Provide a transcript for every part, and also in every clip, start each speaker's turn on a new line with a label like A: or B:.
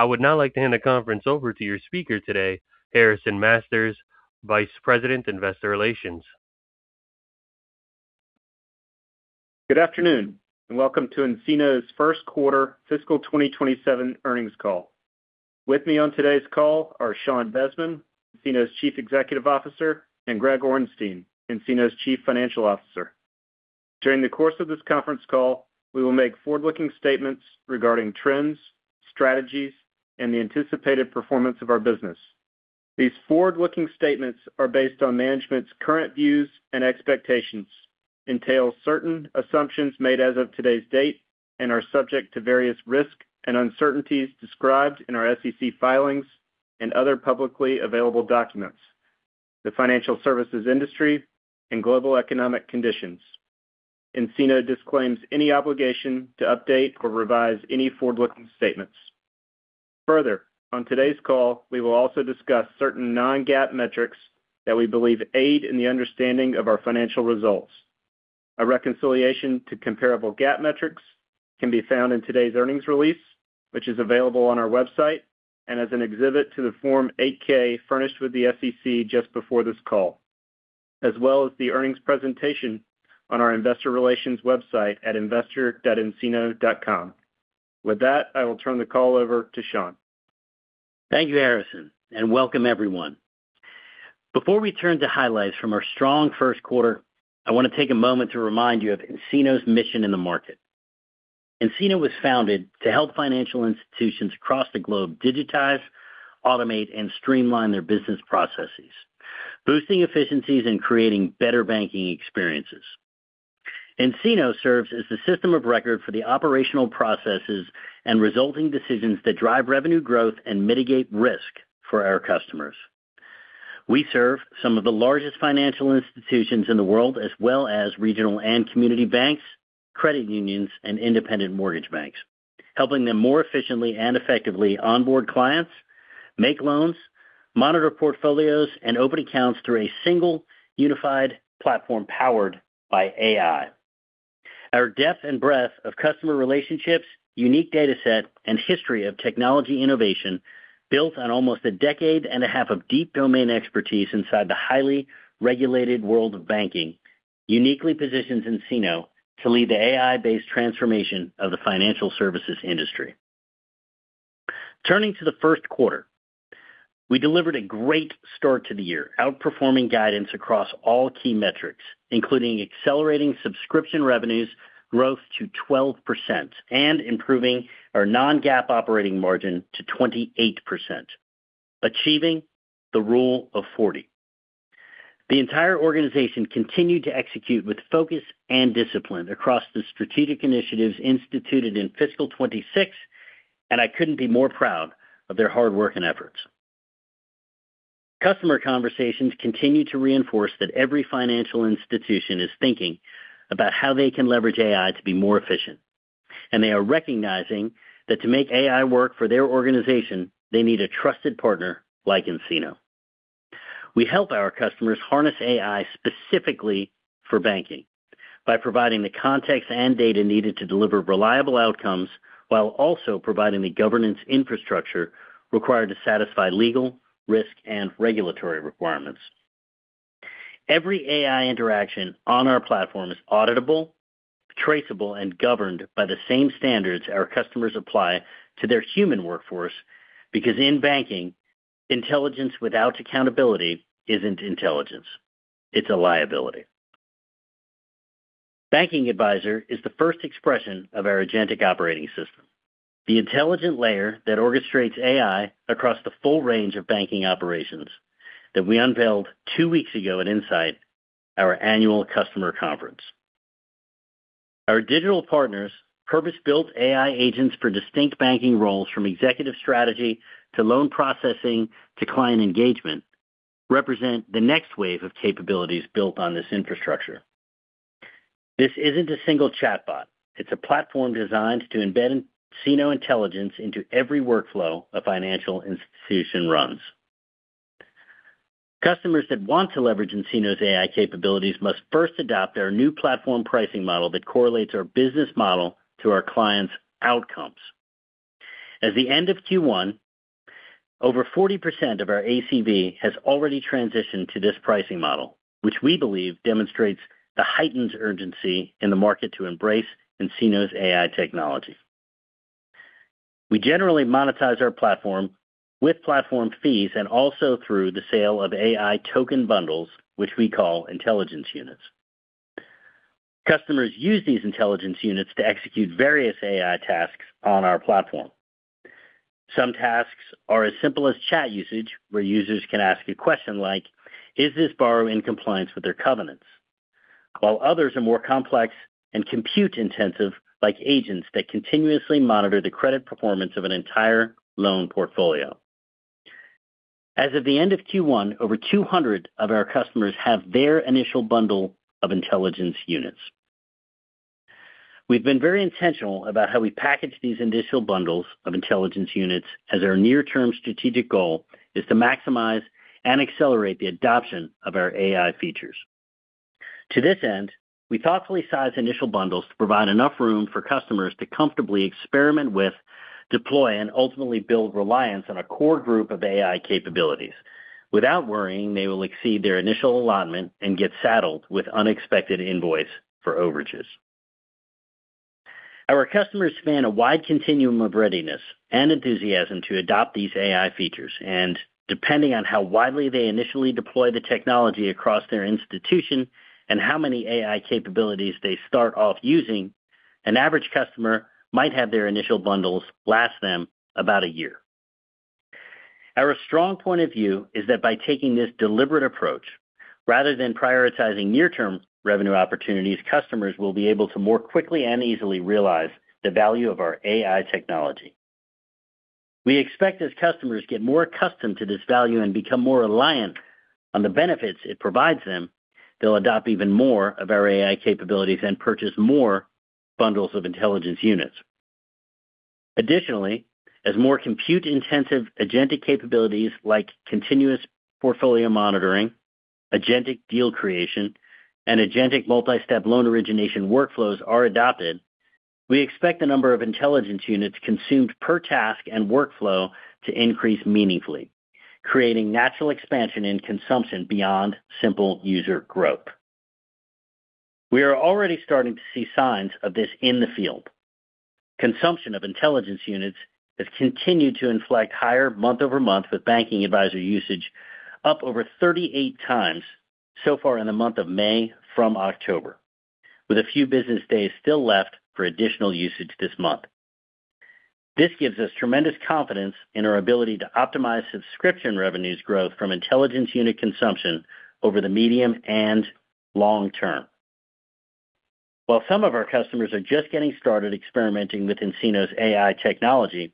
A: I would now like to hand the conference over to your speaker today, Harrison Masters, Vice President, Investor Relations.
B: Good afternoon. Welcome to nCino's first quarter fiscal 2027 earnings call. With me on today's call are Sean Desmond, nCino's Chief Executive Officer, and Greg Orenstein, nCino's Chief Financial Officer. During the course of this conference call, we will make forward-looking statements regarding trends, strategies, and the anticipated performance of our business. These forward-looking statements are based on management's current views and expectations, entail certain assumptions made as of today's date, and are subject to various risks and uncertainties described in our SEC filings and other publicly available documents, the financial services industry, and global economic conditions. nCino disclaims any obligation to update or revise any forward-looking statements. On today's call, we will also discuss certain non-GAAP metrics that we believe aid in the understanding of our financial results. A reconciliation to comparable GAAP metrics can be found in today's earnings release, which is available on our website and as an exhibit to the Form 8-K furnished with the SEC just before this call, as well as the earnings presentation on our investor relations website at investor.ncino.com. With that, I will turn the call over to Sean.
C: Thank you, Harrison, and welcome everyone. Before we turn to highlights from our strong first quarter, I want to take a moment to remind you of nCino's mission in the market. nCino was founded to help financial institutions across the globe digitize, automate, and streamline their business processes, boosting efficiencies and creating better banking experiences. nCino serves as the system of record for the operational processes and resulting decisions that drive revenue growth and mitigate risk for our customers. We serve some of the largest financial institutions in the world, as well as regional and community banks, credit unions, and independent mortgage banks, helping them more efficiently and effectively onboard clients, make loans, monitor portfolios, and open accounts through a single unified platform powered by AI. Our depth and breadth of customer relationships, unique data set, and history of technology innovation built on almost a decade and a half of deep domain expertise inside the highly regulated world of banking uniquely positions nCino to lead the AI-based transformation of the financial services industry. Turning to the first quarter. We delivered a great start to the year, outperforming guidance across all key metrics, including accelerating subscription revenues growth to 12% and improving our non-GAAP operating margin to 28%, achieving the Rule of 40. The entire organization continued to execute with focus and discipline across the strategic initiatives instituted in fiscal 2026, and I couldn't be more proud of their hard work and efforts. Customer conversations continue to reinforce that every financial institution is thinking about how they can leverage AI to be more efficient, and they are recognizing that to make AI work for their organization, they need a trusted partner like nCino. We help our customers harness AI specifically for banking by providing the context and data needed to deliver reliable outcomes while also providing the governance infrastructure required to satisfy legal, risk, and regulatory requirements. Every AI interaction on our platform is auditable, traceable, and governed by the same standards our customers apply to their human workforce, because in banking, intelligence without accountability isn't intelligence, it's a liability. Banking Advisor is the first expression of our Agentic Operating System, the intelligent layer that orchestrates AI across the full range of banking operations that we unveiled two weeks ago at nSight, our annual customer conference. Our digital partners purpose-built AI agents for distinct banking roles from executive strategy to loan processing to client engagement represent the next wave of capabilities built on this infrastructure. This isn't a single chatbot. It's a platform designed to embed nCino intelligence into every workflow a financial institution runs. Customers that want to leverage nCino's AI capabilities must first adopt our new platform pricing model that correlates our business model to our clients' outcomes. At the end of Q1, over 40% of our ACV has already transitioned to this pricing model, which we believe demonstrates the heightened urgency in the market to embrace nCino's AI technology. We generally monetize our platform with platform fees and also through the sale of AI token bundles, which we call Intelligence Units. Customers use these Intelligence Units to execute various AI tasks on our platform. Some tasks are as simple as chat usage, where users can ask a question like, "Is this borrower in compliance with their covenants?" While others are more complex and compute intensive, like agents that continuously monitor the credit performance of an entire loan portfolio. As of the end of Q1, over 200 of our customers have their initial bundle of intelligence units. We've been very intentional about how we package these initial bundles of intelligence units as our near-term strategic goal is to maximize and accelerate the adoption of our AI features. To this end, we thoughtfully size initial bundles to provide enough room for customers to comfortably experiment with, deploy, and ultimately build reliance on a core group of AI capabilities without worrying they will exceed their initial allotment and get saddled with unexpected invoice for overages. Our customers span a wide continuum of readiness and enthusiasm to adopt these AI features. Depending on how widely they initially deploy the technology across their institution and how many AI capabilities they start off using, an average customer might have their initial bundles last them about a year. Our strong point of view is that by taking this deliberate approach rather than prioritizing near-term revenue opportunities, customers will be able to more quickly and easily realize the value of our AI technology. We expect as customers get more accustomed to this value and become more reliant on the benefits it provides them, they'll adopt even more of our AI capabilities and purchase more bundles of intelligence units. Additionally, as more compute-intensive agentic capabilities like continuous portfolio monitoring, agentic deal creation, and agentic multi-step loan origination workflows are adopted, we expect the number of intelligence units consumed per task and workflow to increase meaningfully, creating natural expansion in consumption beyond simple user growth. We are already starting to see signs of this in the field. Consumption of intelligence units has continued to inflect higher month-over-month with Banking Advisor usage up over 38 times so far in the month of May from October, with a few business days still left for additional usage this month. This gives us tremendous confidence in our ability to optimize subscription revenues growth from intelligence unit consumption over the medium and long term. While some of our customers are just getting started experimenting with nCino's AI technology,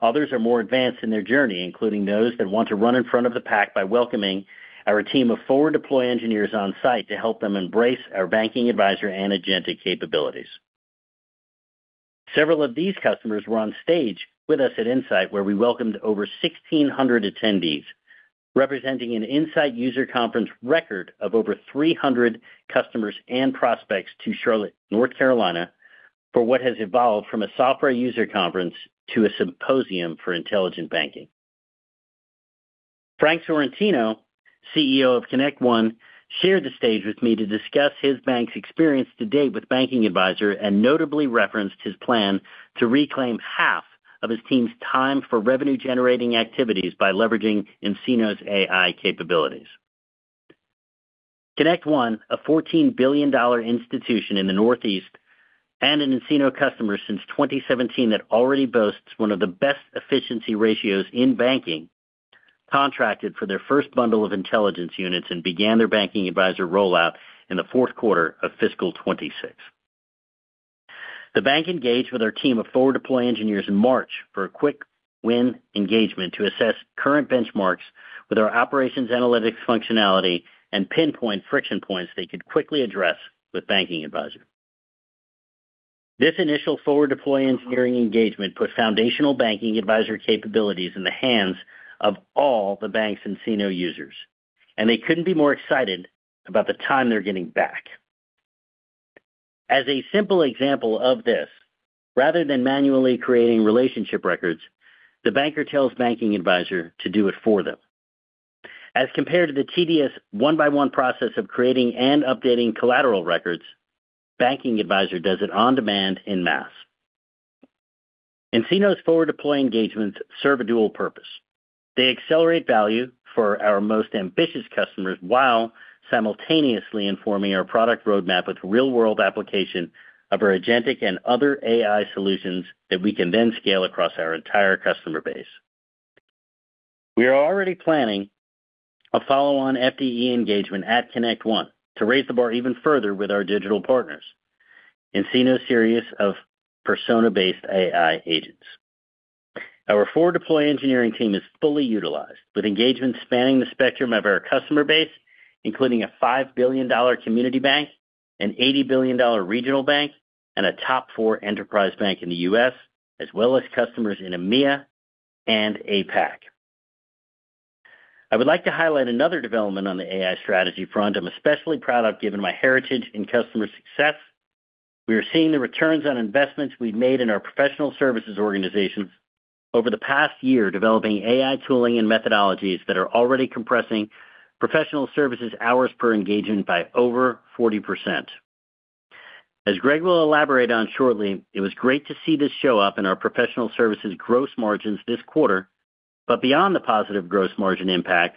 C: others are more advanced in their journey, including those that want to run in front of the pack by welcoming our team of forward deploy engineers on site to help them embrace our Banking Advisor and agentic capabilities. Several of these customers were on stage with us at nSight, where we welcomed over 1,600 attendees, representing an nSight user conference record of over 300 customers and prospects to Charlotte, North Carolina, for what has evolved from a software user conference to a symposium for intelligent banking. Frank Sorrentino, CEO of ConnectOne, shared the stage with me to discuss his bank's experience to date with Banking Advisor and notably referenced his plan to reclaim half of his team's time for revenue-generating activities by leveraging nCino's AI capabilities. ConnectOne, a $14 billion institution in the Northeast and an nCino customer since 2017 that already boasts one of the best efficiency ratios in banking, contracted for their first bundle of intelligence units and began their Banking Advisor rollout in the fourth quarter of fiscal 2026. The bank engaged with our team of forward deploy engineers in March for a quick-win engagement to assess current benchmarks with our Operations Analytics functionality and pinpoint friction points they could quickly address with Banking Advisor. This initial forward deploy engineering engagement put foundational Banking Advisor capabilities in the hands of all the bank's nCino users, and they couldn't be more excited about the time they're getting back. As a simple example of this, rather than manually creating relationship records, the banker tells Banking Advisor to do it for them. As compared to the tedious one-by-one process of creating and updating collateral records, Banking Advisor does it on demand in mass. nCino's forward deploy engagements serve a dual purpose. They accelerate value for our most ambitious customers while simultaneously informing our product roadmap with real-world application of our agentic and other AI solutions that we can then scale across our entire customer base. We are already planning a follow-on FDE engagement at ConnectOne to raise the bar even further with our digital partners. nCino's series of persona-based AI agents. Our forward deploy engineering team is fully utilized with engagements spanning the spectrum of our customer base, including a $5 billion community bank, an $80 billion regional bank, and a top four enterprise bank in the U.S., as well as customers in EMEA and APAC. I would like to highlight another development on the AI strategy front I'm especially proud of given my heritage in customer success. We are seeing the returns on investments we've made in our professional services organization over the past year, developing AI tooling and methodologies that are already compressing professional services hours per engagement by over 40%. As Greg will elaborate on shortly, it was great to see this show up in our professional services gross margins this quarter. Beyond the positive gross margin impact,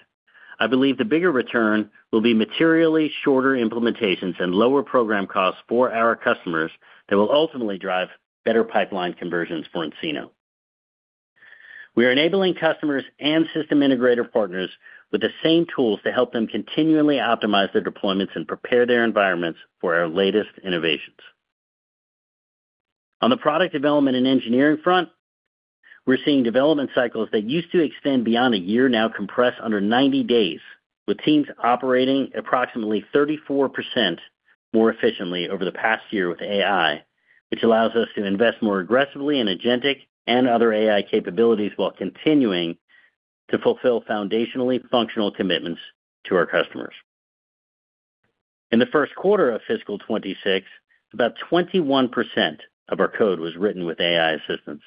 C: I believe the bigger return will be materially shorter implementations and lower program costs for our customers that will ultimately drive better pipeline conversions for nCino. We are enabling customers and system integrator partners with the same tools to help them continually optimize their deployments and prepare their environments for our latest innovations. On the product development and engineering front, we're seeing development cycles that used to extend beyond a year now compress under 90 days, with teams operating approximately 34% more efficiently over the past year with AI. Which allows us to invest more aggressively in Agentic and other AI capabilities while continuing to fulfill foundationally functional commitments to our customers. In the first quarter of fiscal 2026, about 21% of our code was written with AI assistance.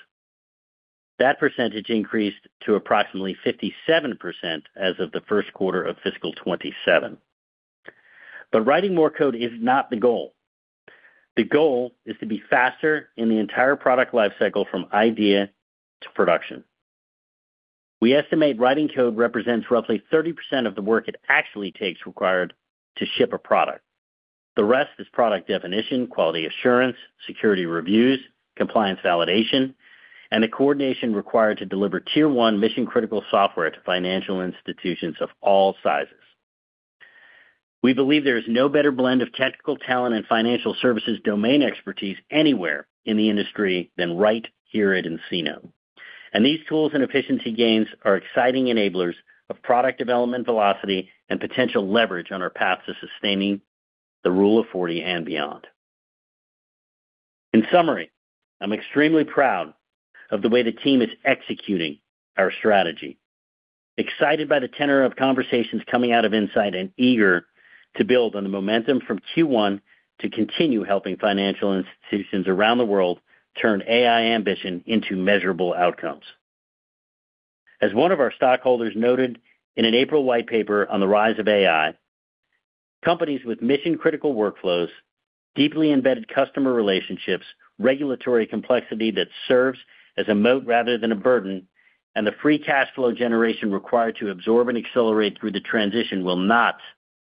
C: That percentage increased to approximately 57% as of the first quarter of fiscal 2027. Writing more code is not the goal. The goal is to be faster in the entire product lifecycle from idea to production. We estimate writing code represents roughly 30% of the work it actually takes required to ship a product. The rest is product definition, quality assurance, security reviews, compliance validation, and the coordination required to deliver Tier 1 mission-critical software to financial institutions of all sizes. We believe there is no better blend of technical talent and financial services domain expertise anywhere in the industry than right here at nCino. These tools and efficiency gains are exciting enablers of product development velocity and potential leverage on our path to sustaining the Rule of 40 and beyond. In summary, I'm extremely proud of the way the team is executing our strategy, excited by the tenor of conversations coming out of nSight, and eager to build on the momentum from Q1 to continue helping financial institutions around the world turn AI ambition into measurable outcomes. As one of our stockholders noted in an April white paper on the rise of AI, companies with mission-critical workflows, deeply embedded customer relationships, regulatory complexity that serves as a moat rather than a burden, and the free cash flow generation required to absorb and accelerate through the transition will not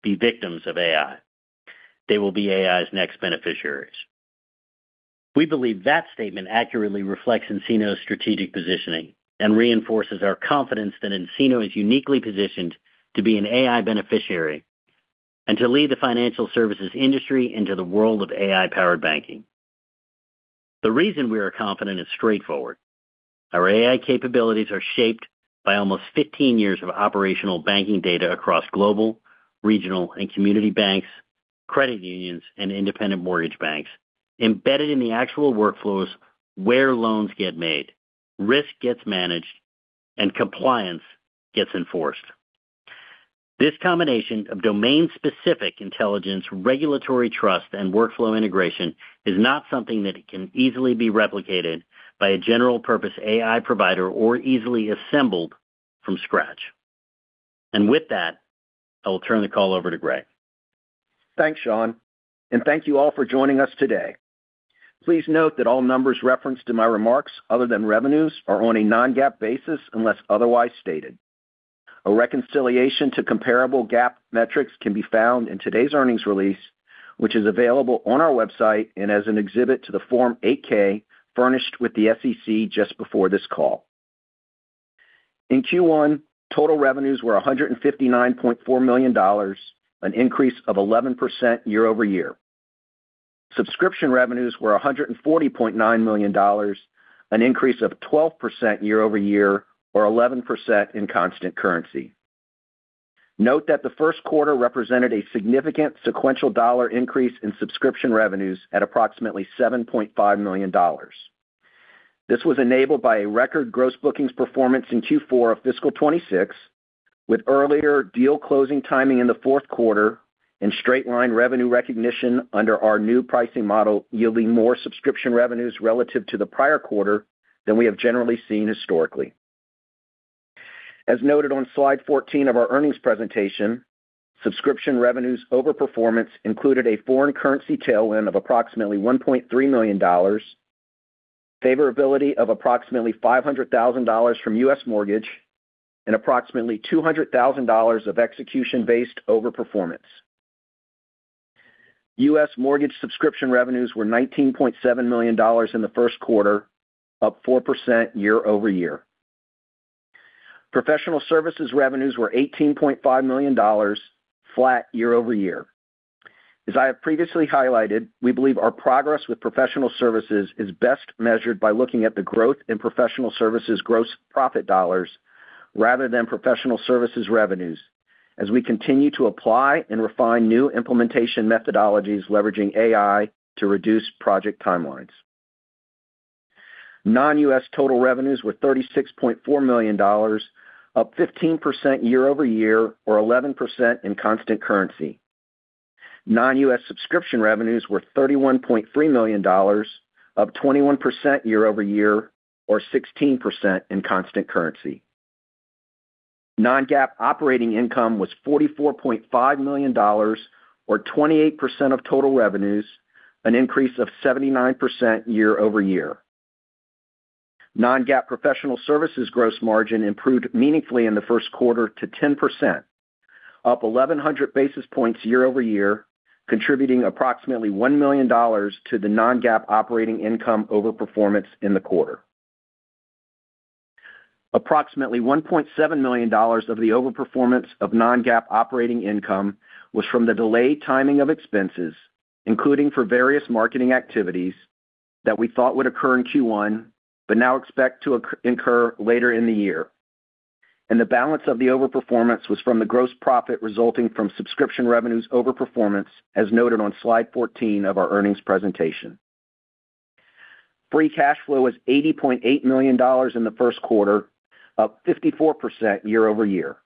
C: be victims of AI. They will be AI's next beneficiaries. We believe that statement accurately reflects nCino's strategic positioning and reinforces our confidence that nCino is uniquely positioned to be an AI beneficiary and to lead the financial services industry into the world of AI-powered banking. The reason we are confident is straightforward. Our AI capabilities are shaped by almost 15 years of operational banking data across global, regional, and community banks, credit unions, and independent mortgage bankers, embedded in the actual workflows where loans get made, risk gets managed, and compliance gets enforced. This combination of domain-specific intelligence, regulatory trust, and workflow integration is not something that can easily be replicated by a general-purpose AI provider or easily assembled from scratch. With that, I will turn the call over to Greg.
D: Thanks, Sean. Thank you all for joining us today. Please note that all numbers referenced in my remarks, other than revenues, are on a non-GAAP basis unless otherwise stated. A reconciliation to comparable GAAP metrics can be found in today's earnings release, which is available on our website and as an exhibit to the Form 8-K furnished with the SEC just before this call. In Q1, total revenues were $159.4 million, an increase of 11% year-over-year. Subscription revenues were $140.9 million, an increase of 12% year-over-year or 11% in constant currency. Note that the first quarter represented a significant sequential dollar increase in subscription revenues at approximately $7.5 million. This was enabled by a record gross bookings performance in Q4 of fiscal 2026 with earlier deal closing timing in the fourth quarter and straight-line revenue recognition under our new pricing model yielding more subscription revenues relative to the prior quarter than we have generally seen historically. As noted on slide 14 of our earnings presentation, subscription revenues overperformance included a foreign currency tailwind of approximately $1.3 million, favorability of approximately $500,000 from U.S. mortgage, and approximately $200,000 of execution-based overperformance. U.S. mortgage subscription revenues were $19.7 million in the first quarter, up 4% year-over-year. Professional services revenues were $18.5 million, flat year-over-year. As I have previously highlighted, we believe our progress with professional services is best measured by looking at the growth in professional services gross profit dollars rather than professional services revenues as we continue to apply and refine new implementation methodologies leveraging AI to reduce project timelines. Non-U.S. total revenues were $36.4 million, up 15% year-over-year or 11% in constant currency. Non-U.S. subscription revenues were $31.3 million, up 21% year-over-year or 16% in constant currency. Non-GAAP operating income was $44.5 million or 28% of total revenues, an increase of 79% year-over-year. Non-GAAP professional services gross margin improved meaningfully in the first quarter to 10%, up 1,100 basis points year-over-year, contributing approximately $1 million to the Non-GAAP operating income overperformance in the quarter. Approximately $1.7 million of the overperformance of non-GAAP operating income was from the delayed timing of expenses, including for various marketing activities that we thought would occur in Q1 but now expect to incur later in the year. The balance of the overperformance was from the gross profit resulting from subscription revenues overperformance, as noted on slide 14 of our earnings presentation. Free cash flow was $80.8 million in the first quarter, up 54% year-over-year.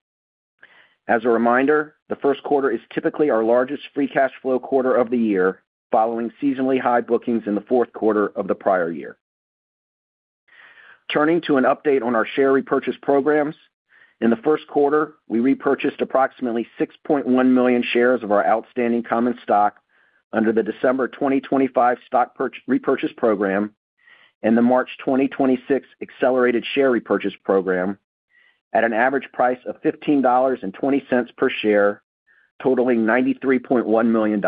D: As a reminder, the first quarter is typically our largest free cash flow quarter of the year, following seasonally high bookings in the fourth quarter of the prior year. Turning to an update on our share repurchase programs. In the first quarter, we repurchased approximately 6.1 million shares of our outstanding common stock under the December 2025 stock repurchase program and the March 2026 accelerated share repurchase program at an average price of $15.20 per share, totaling $93.1 million.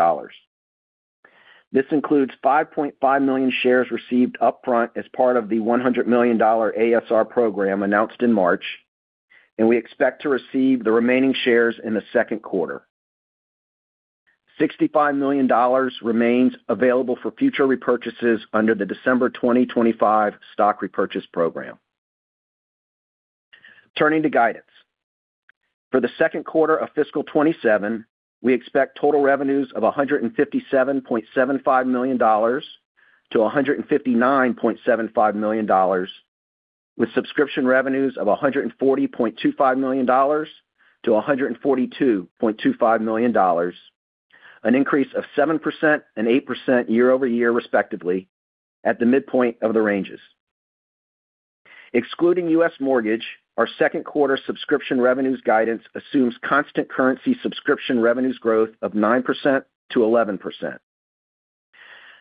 D: This includes 5.5 million shares received upfront as part of the $100 million ASR program announced in March, and we expect to receive the remaining shares in the second quarter. $65 million remains available for future repurchases under the December 2025 stock repurchase program. Turning to guidance. For the second quarter of fiscal 2027, we expect total revenues of $157.75 million to $159.75 million, with subscription revenues of $140.25 million-$142.25 million, an increase of 7% and 8% year-over-year respectively at the midpoint of the ranges. Excluding U.S. mortgage, our second quarter subscription revenues guidance assumes constant currency subscription revenues growth of 9%-11%.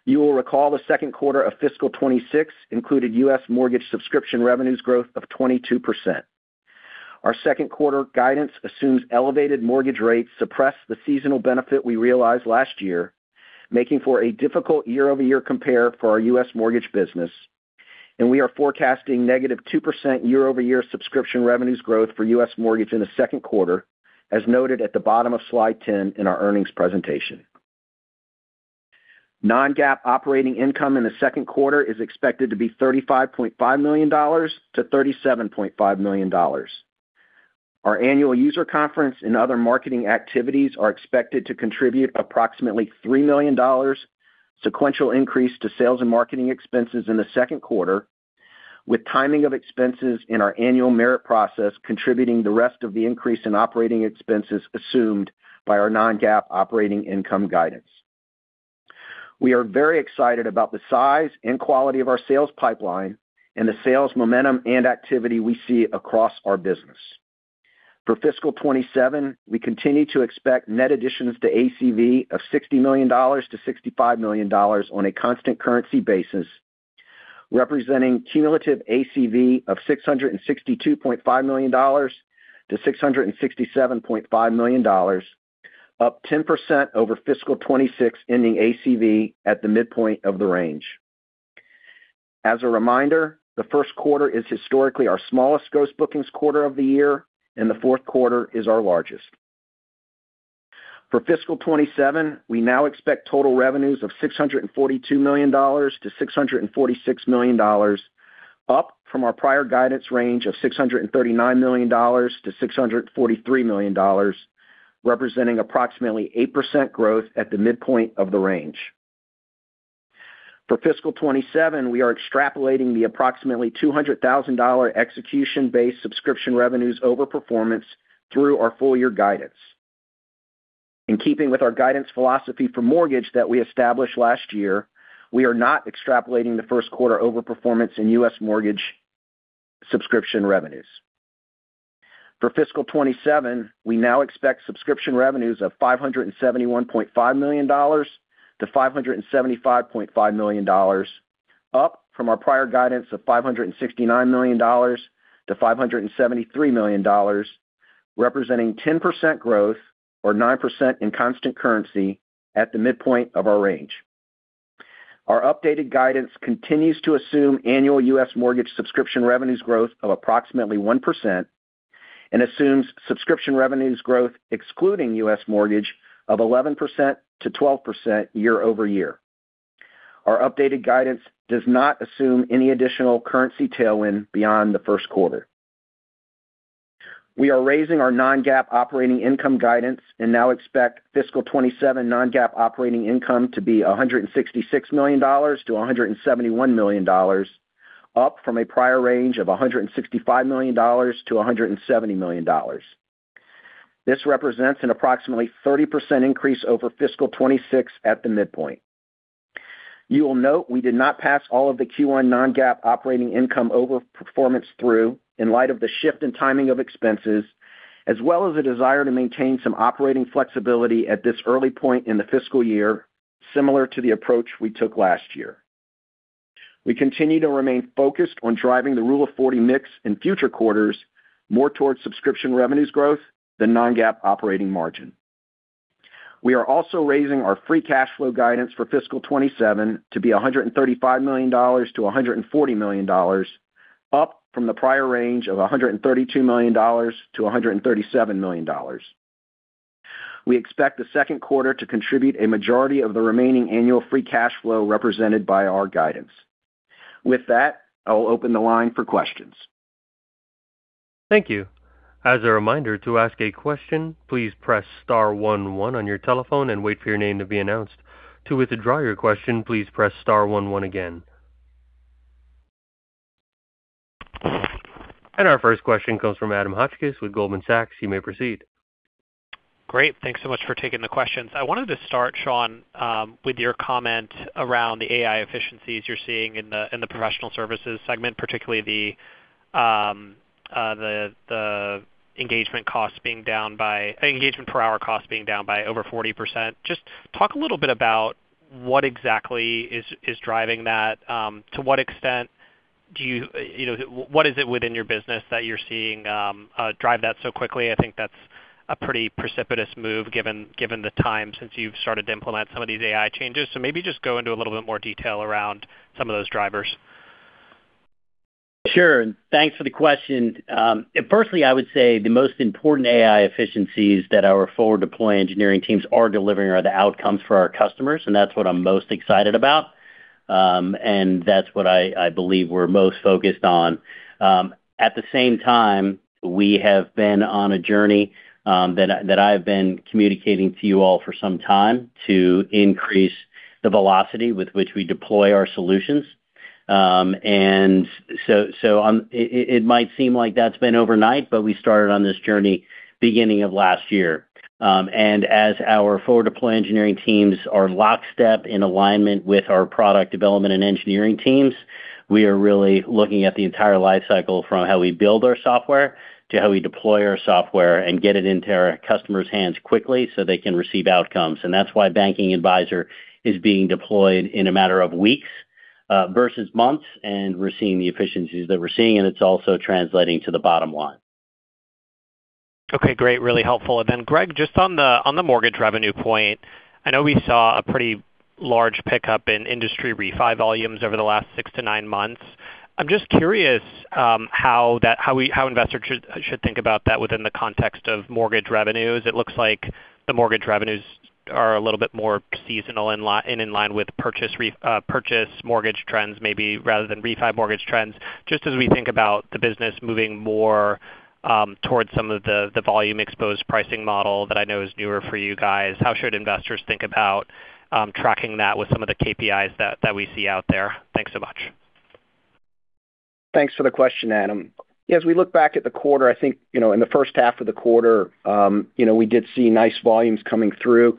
D: You will recall the second quarter of fiscal 2026 included U.S. mortgage subscription revenues growth of 22%. Our second quarter guidance assumes elevated mortgage rates suppressed the seasonal benefit we realized last year, making for a difficult year-over-year compare for our U.S. mortgage business, and we are forecasting negative 2% year-over-year subscription revenues growth for U.S. mortgage in the second quarter, as noted at the bottom of slide 10 in our earnings presentation. Non-GAAP operating income in the second quarter is expected to be $35.5 million-$37.5 million. Our annual user conference and other marketing activities are expected to contribute approximately $3 million sequential increase to sales and marketing expenses in the second quarter, with timing of expenses in our annual merit process contributing the rest of the increase in operating expenses assumed by our non-GAAP operating income guidance. We are very excited about the size and quality of our sales pipeline and the sales momentum and activity we see across our business. For fiscal 2027, we continue to expect net additions to ACV of $60 million-$65 million on a constant currency basis, representing cumulative ACV of $662.5 million-$667.5 million, up 10% over fiscal 2026 ending ACV at the midpoint of the range. As a reminder, the first quarter is historically our smallest gross bookings quarter of the year, and the fourth quarter is our largest. For fiscal 2027, we now expect total revenues of $642 million-$646 million, up from our prior guidance range of $639 million-$643 million, representing approximately 8% growth at the midpoint of the range. For fiscal 2027, we are extrapolating the approximately $200,000 execution-based subscription revenues over performance through our full year guidance. In keeping with our guidance philosophy for mortgage that we established last year, we are not extrapolating the first quarter overperformance in U.S. mortgage subscription revenues. For fiscal 2027, we now expect subscription revenues of $571.5 million-$575.5 million, up from our prior guidance of $569 million-$573 million, representing 10% growth or 9% in constant currency at the midpoint of our range. Our updated guidance continues to assume annual U.S. mortgage subscription revenues growth of approximately 1% and assumes subscription revenues growth excluding U.S. mortgage of 11%-12% year-over-year. Our updated guidance does not assume any additional currency tailwind beyond the first quarter. We are raising our non-GAAP operating income guidance and now expect fiscal 2027 non-GAAP operating income to be $166 million-$171 million, up from a prior range of $165 million-$170 million. This represents an approximately 30% increase over fiscal 2026 at the midpoint. You will note we did not pass all of the Q1 non-GAAP operating income over performance through in light of the shift in timing of expenses, as well as the desire to maintain some operating flexibility at this early point in the fiscal year, similar to the approach we took last year. We continue to remain focused on driving the Rule of 40 mix in future quarters more towards subscription revenues growth than non-GAAP operating margin. We are also raising our free cash flow guidance for fiscal 2027 to be $135 million-$140 million, up from the prior range of $132 million-$137 million. We expect the second quarter to contribute a majority of the remaining annual free cash flow represented by our guidance. With that, I'll open the line for questions.
A: Thank you. As a reminder, to ask a question, please press star one one on your telephone and wait for your name to be announced. To withdraw your question, please press star one one again. Our first question comes from Adam Hotchkiss with Goldman Sachs. You may proceed.
E: Great. Thanks so much for taking the questions. I wanted to start, Sean, with your comment around the AI efficiencies you're seeing in the professional services segment, particularly the engagement per hour cost being down by over 40%. Talk a little bit about what exactly is driving that. What is it within your business that you're seeing drive that so quickly? I think that's a pretty precipitous move given the time since you've started to implement some of these AI changes. Maybe go into a little bit more detail around some of those drivers.
C: Sure. Thanks for the question. Firstly, I would say the most important AI efficiencies that our forward deployed engineering teams are delivering are the outcomes for our customers, and that's what I'm most excited about. That's what I believe we're most focused on. At the same time, we have been on a journey, that I've been communicating to you all for some time, to increase the velocity with which we deploy our solutions. So it might seem like that's been overnight, but we started on this journey beginning of last year. As our forward deployed engineering teams are lockstep in alignment with our product development and engineering teams, we are really looking at the entire life cycle from how we build our software to how we deploy our software and get it into our customers' hands quickly so they can receive outcomes. That's why Banking Advisor is being deployed in a matter of weeks versus months, and we're seeing the efficiencies that we're seeing, and it's also translating to the bottom line.
E: Okay, great. Really helpful. Then Greg, just on the mortgage revenue point, I know we saw a pretty large pickup in industry refi volumes over the last six to nine months. I'm just curious how investors should think about that within the context of mortgage revenues. It looks like the mortgage revenues are a little bit more seasonal and in line with purchase mortgage trends maybe rather than refi mortgage trends. Just as we think about the business moving more towards some of the volume-exposed pricing model that I know is newer for you guys, how should investors think about tracking that with some of the KPIs that we see out there? Thanks so much.
D: Thanks for the question, Adam. As we look back at the quarter, I think, in the first half of the quarter we did see nice volumes coming through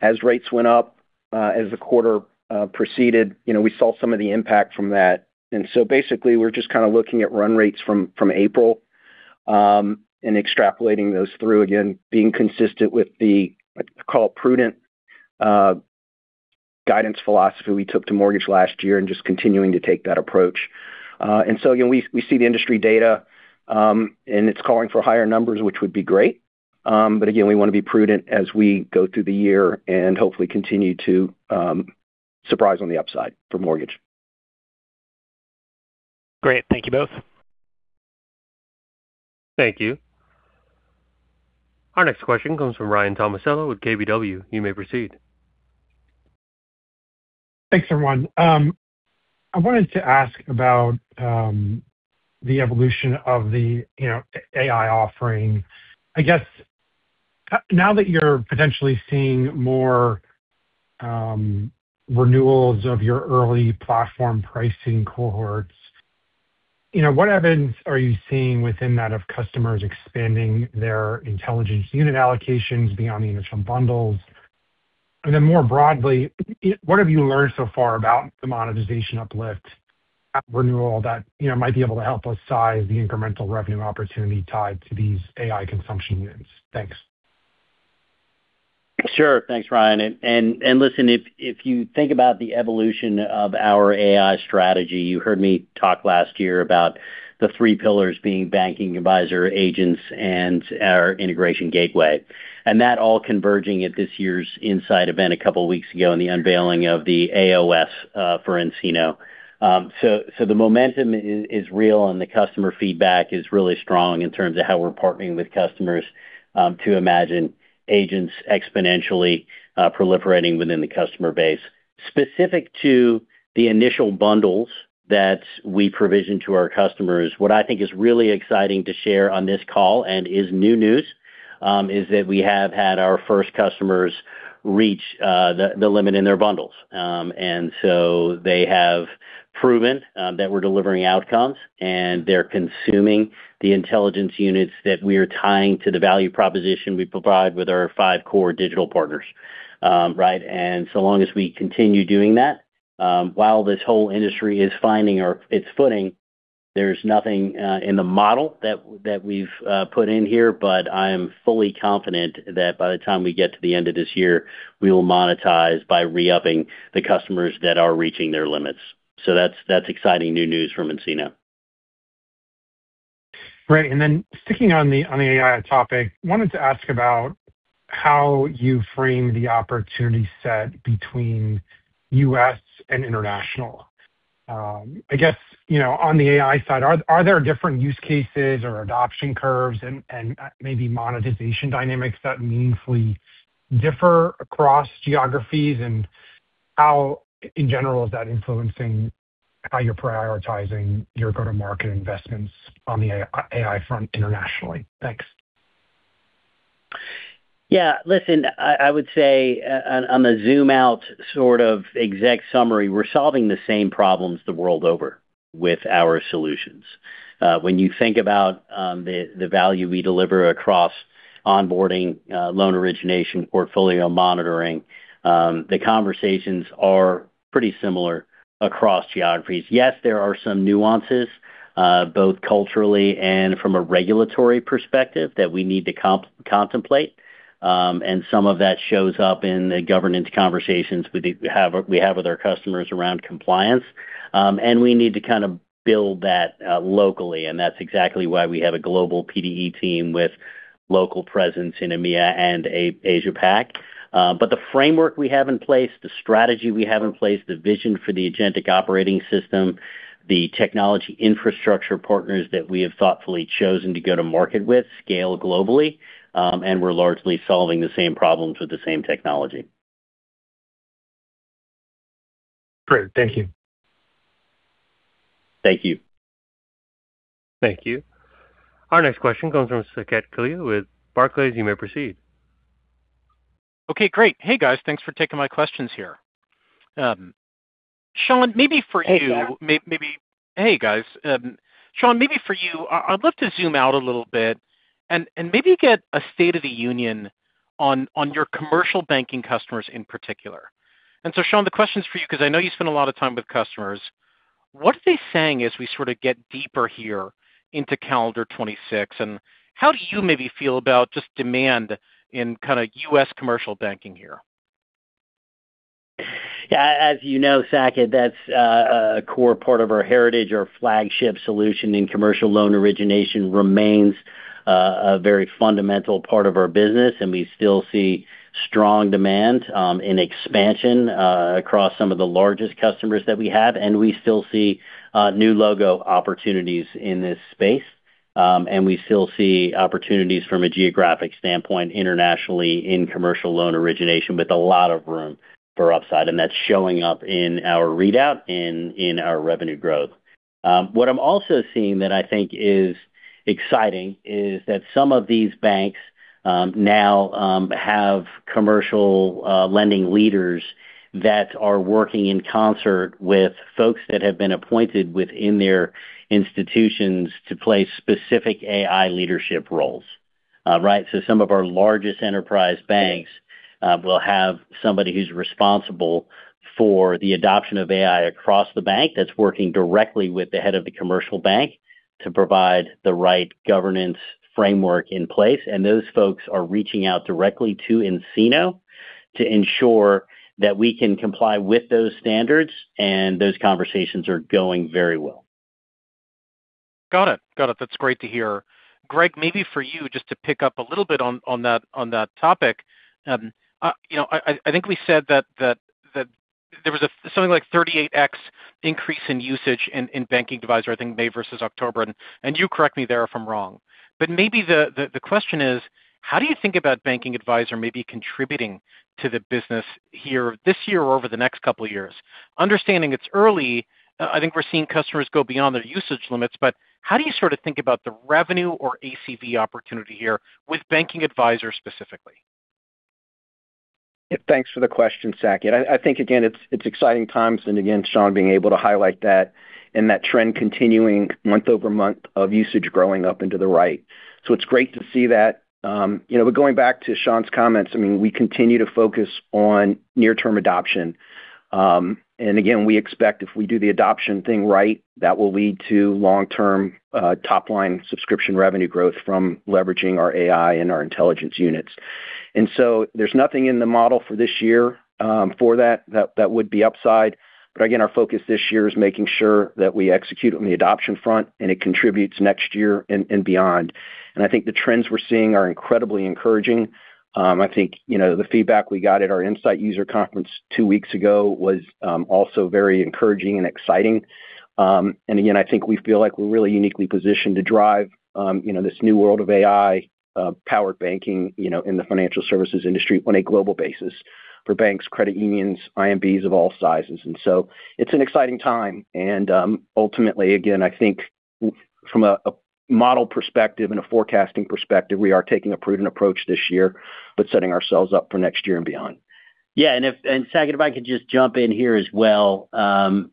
D: as rates went up. As the quarter proceeded, we saw some of the impact from that. Basically, we're just kind of looking at run rates from April, and extrapolating those through, again, being consistent with the, I call it, prudent guidance philosophy we took to mortgage last year and just continuing to take that approach. We see the industry data, and it's calling for higher numbers, which would be great. Again, we want to be prudent as we go through the year and hopefully continue to surprise on the upside for mortgage.
E: Great. Thank you both.
A: Thank you. Our next question comes from Ryan Tomasello with KBW. You may proceed.
F: Thanks, everyone. I wanted to ask about the evolution of the AI offering. I guess now that you're potentially seeing more renewals of your early platform pricing cohorts, what evidence are you seeing within that of customers expanding their intelligence unit allocations beyond the initial bundles? More broadly, what have you learned so far about the monetization uplift at renewal that might be able to help us size the incremental revenue opportunity tied to these AI consumption units? Thanks.
C: Sure. Thanks, Ryan. Listen, if you think about the evolution of our AI strategy, you heard me talk last year about the three pillars being Banking Advisor agents and our Integration Gateway. That all converging at this year's nSight event a couple of weeks ago, and the unveiling of the AOS for nCino. The momentum is real, and the customer feedback is really strong in terms of how we're partnering with customers to imagine agents exponentially proliferating within the customer base. Specific to the initial bundles that we provision to our customers, what I think is really exciting to share on this call and is new news, is that we have had our first customers reach the limit in their bundles. They have proven that we're delivering outcomes, and they're consuming the Intelligence Units that we are tying to the value proposition we provide with our five core digital partners. Right? Long as we continue doing that, while this whole industry is finding its footing, there's nothing in the model that we've put in here. I am fully confident that by the time we get to the end of this year, we will monetize by re-upping the customers that are reaching their limits. That's exciting new news from nCino.
F: Great. Sticking on the AI topic, wanted to ask about how you frame the opportunity set between U.S. and international. I guess on the AI side, are there different use cases or adoption curves and maybe monetization dynamics that meaningfully differ across geographies? How, in general, is that influencing how you're prioritizing your go-to-market investments on the AI front internationally? Thanks.
C: Yeah. Listen, I would say on a zoom out sort of exec summary, we're solving the same problems the world over with our solutions. When you think about the value we deliver across Onboarding, loan origination, portfolio monitoring, the conversations are pretty similar across geographies. Yes, there are some nuances, both culturally and from a regulatory perspective that we need to contemplate. Some of that shows up in the governance conversations we have with our customers around compliance. We need to kind of build that locally, and that's exactly why we have a global PDE team with local presence in EMEA and Asia Pac. The framework we have in place, the strategy we have in place, the vision for the Agentic Operating System, the technology infrastructure partners that we have thoughtfully chosen to go to market with scale globally, and we're largely solving the same problems with the same technology.
F: Great. Thank you.
C: Thank you.
A: Thank you. Our next question comes from Saket Kalia with Barclays. You may proceed.
G: Okay, great. Hey, guys. Thanks for taking my questions here. Sean, maybe for you.
C: Hey, Saket.
G: Hey, guys. Sean, maybe for you, I'd love to zoom out a little bit and maybe get a state of the union on your commercial banking customers in particular. Sean, the question's for you because I know you spend a lot of time with customers. What are they saying as we sort of get deeper here into calendar 2026, and how do you maybe feel about just demand in kind of U.S. commercial banking here?
C: Yeah, as you know, Saket, that's a core part of our heritage, our flagship solution in commercial loan origination remains a very fundamental part of our business, and we still see strong demand in expansion across some of the largest customers that we have, and we still see new logo opportunities in this space. We still see opportunities from a geographic standpoint internationally in commercial loan origination with a lot of room for upside, and that's showing up in our readout in our revenue growth. What I'm also seeing that I think is exciting is that some of these banks now have commercial lending leaders that are working in concert with folks that have been appointed within their institutions to play specific AI leadership roles. Right? Some of our largest enterprise banks will have somebody who's responsible for the adoption of AI across the bank that's working directly with the head of the commercial bank to provide the right governance framework in place, and those folks are reaching out directly to nCino to ensure that we can comply with those standards, and those conversations are going very well.
G: Got it. That's great to hear. Greg, maybe for you just to pick up a little bit on that topic. I think we said that there was something like 38x increase in usage in Banking Advisor, I think May versus October, and you correct me there if I'm wrong. The question is: how do you think about Banking Advisor maybe contributing to the business here this year or over the next couple of years? Understanding it's early, I think we're seeing customers go beyond their usage limits, how do you sort of think about the revenue or ACV opportunity here with Banking Advisor specifically?
D: Thanks for the question, Saket. Again, it's exciting times, again, Sean being able to highlight that and that trend continuing month-over-month of usage growing up into the right. It's great to see that. Going back to Sean's comments, I mean, we continue to focus on near-term adoption. Again, we expect if we do the adoption thing right, that will lead to long-term top-line subscription revenue growth from leveraging our AI and our Intelligence Unit. There's nothing in the model for this year for that would be upside. Again, our focus this year is making sure that we execute on the adoption front and it contributes next year and beyond. The trends we're seeing are incredibly encouraging. I think the feedback we got at our nSight user conference two weeks ago was also very encouraging and exciting. Again, I think we feel like we're really uniquely positioned to drive this new world of AI-powered banking in the financial services industry on a global basis for banks, credit unions, IMBs of all sizes. It's an exciting time. Ultimately, again, I think from a model perspective and a forecasting perspective, we are taking a prudent approach this year, but setting ourselves up for next year and beyond.
C: Saket, if I could just jump in here as well. On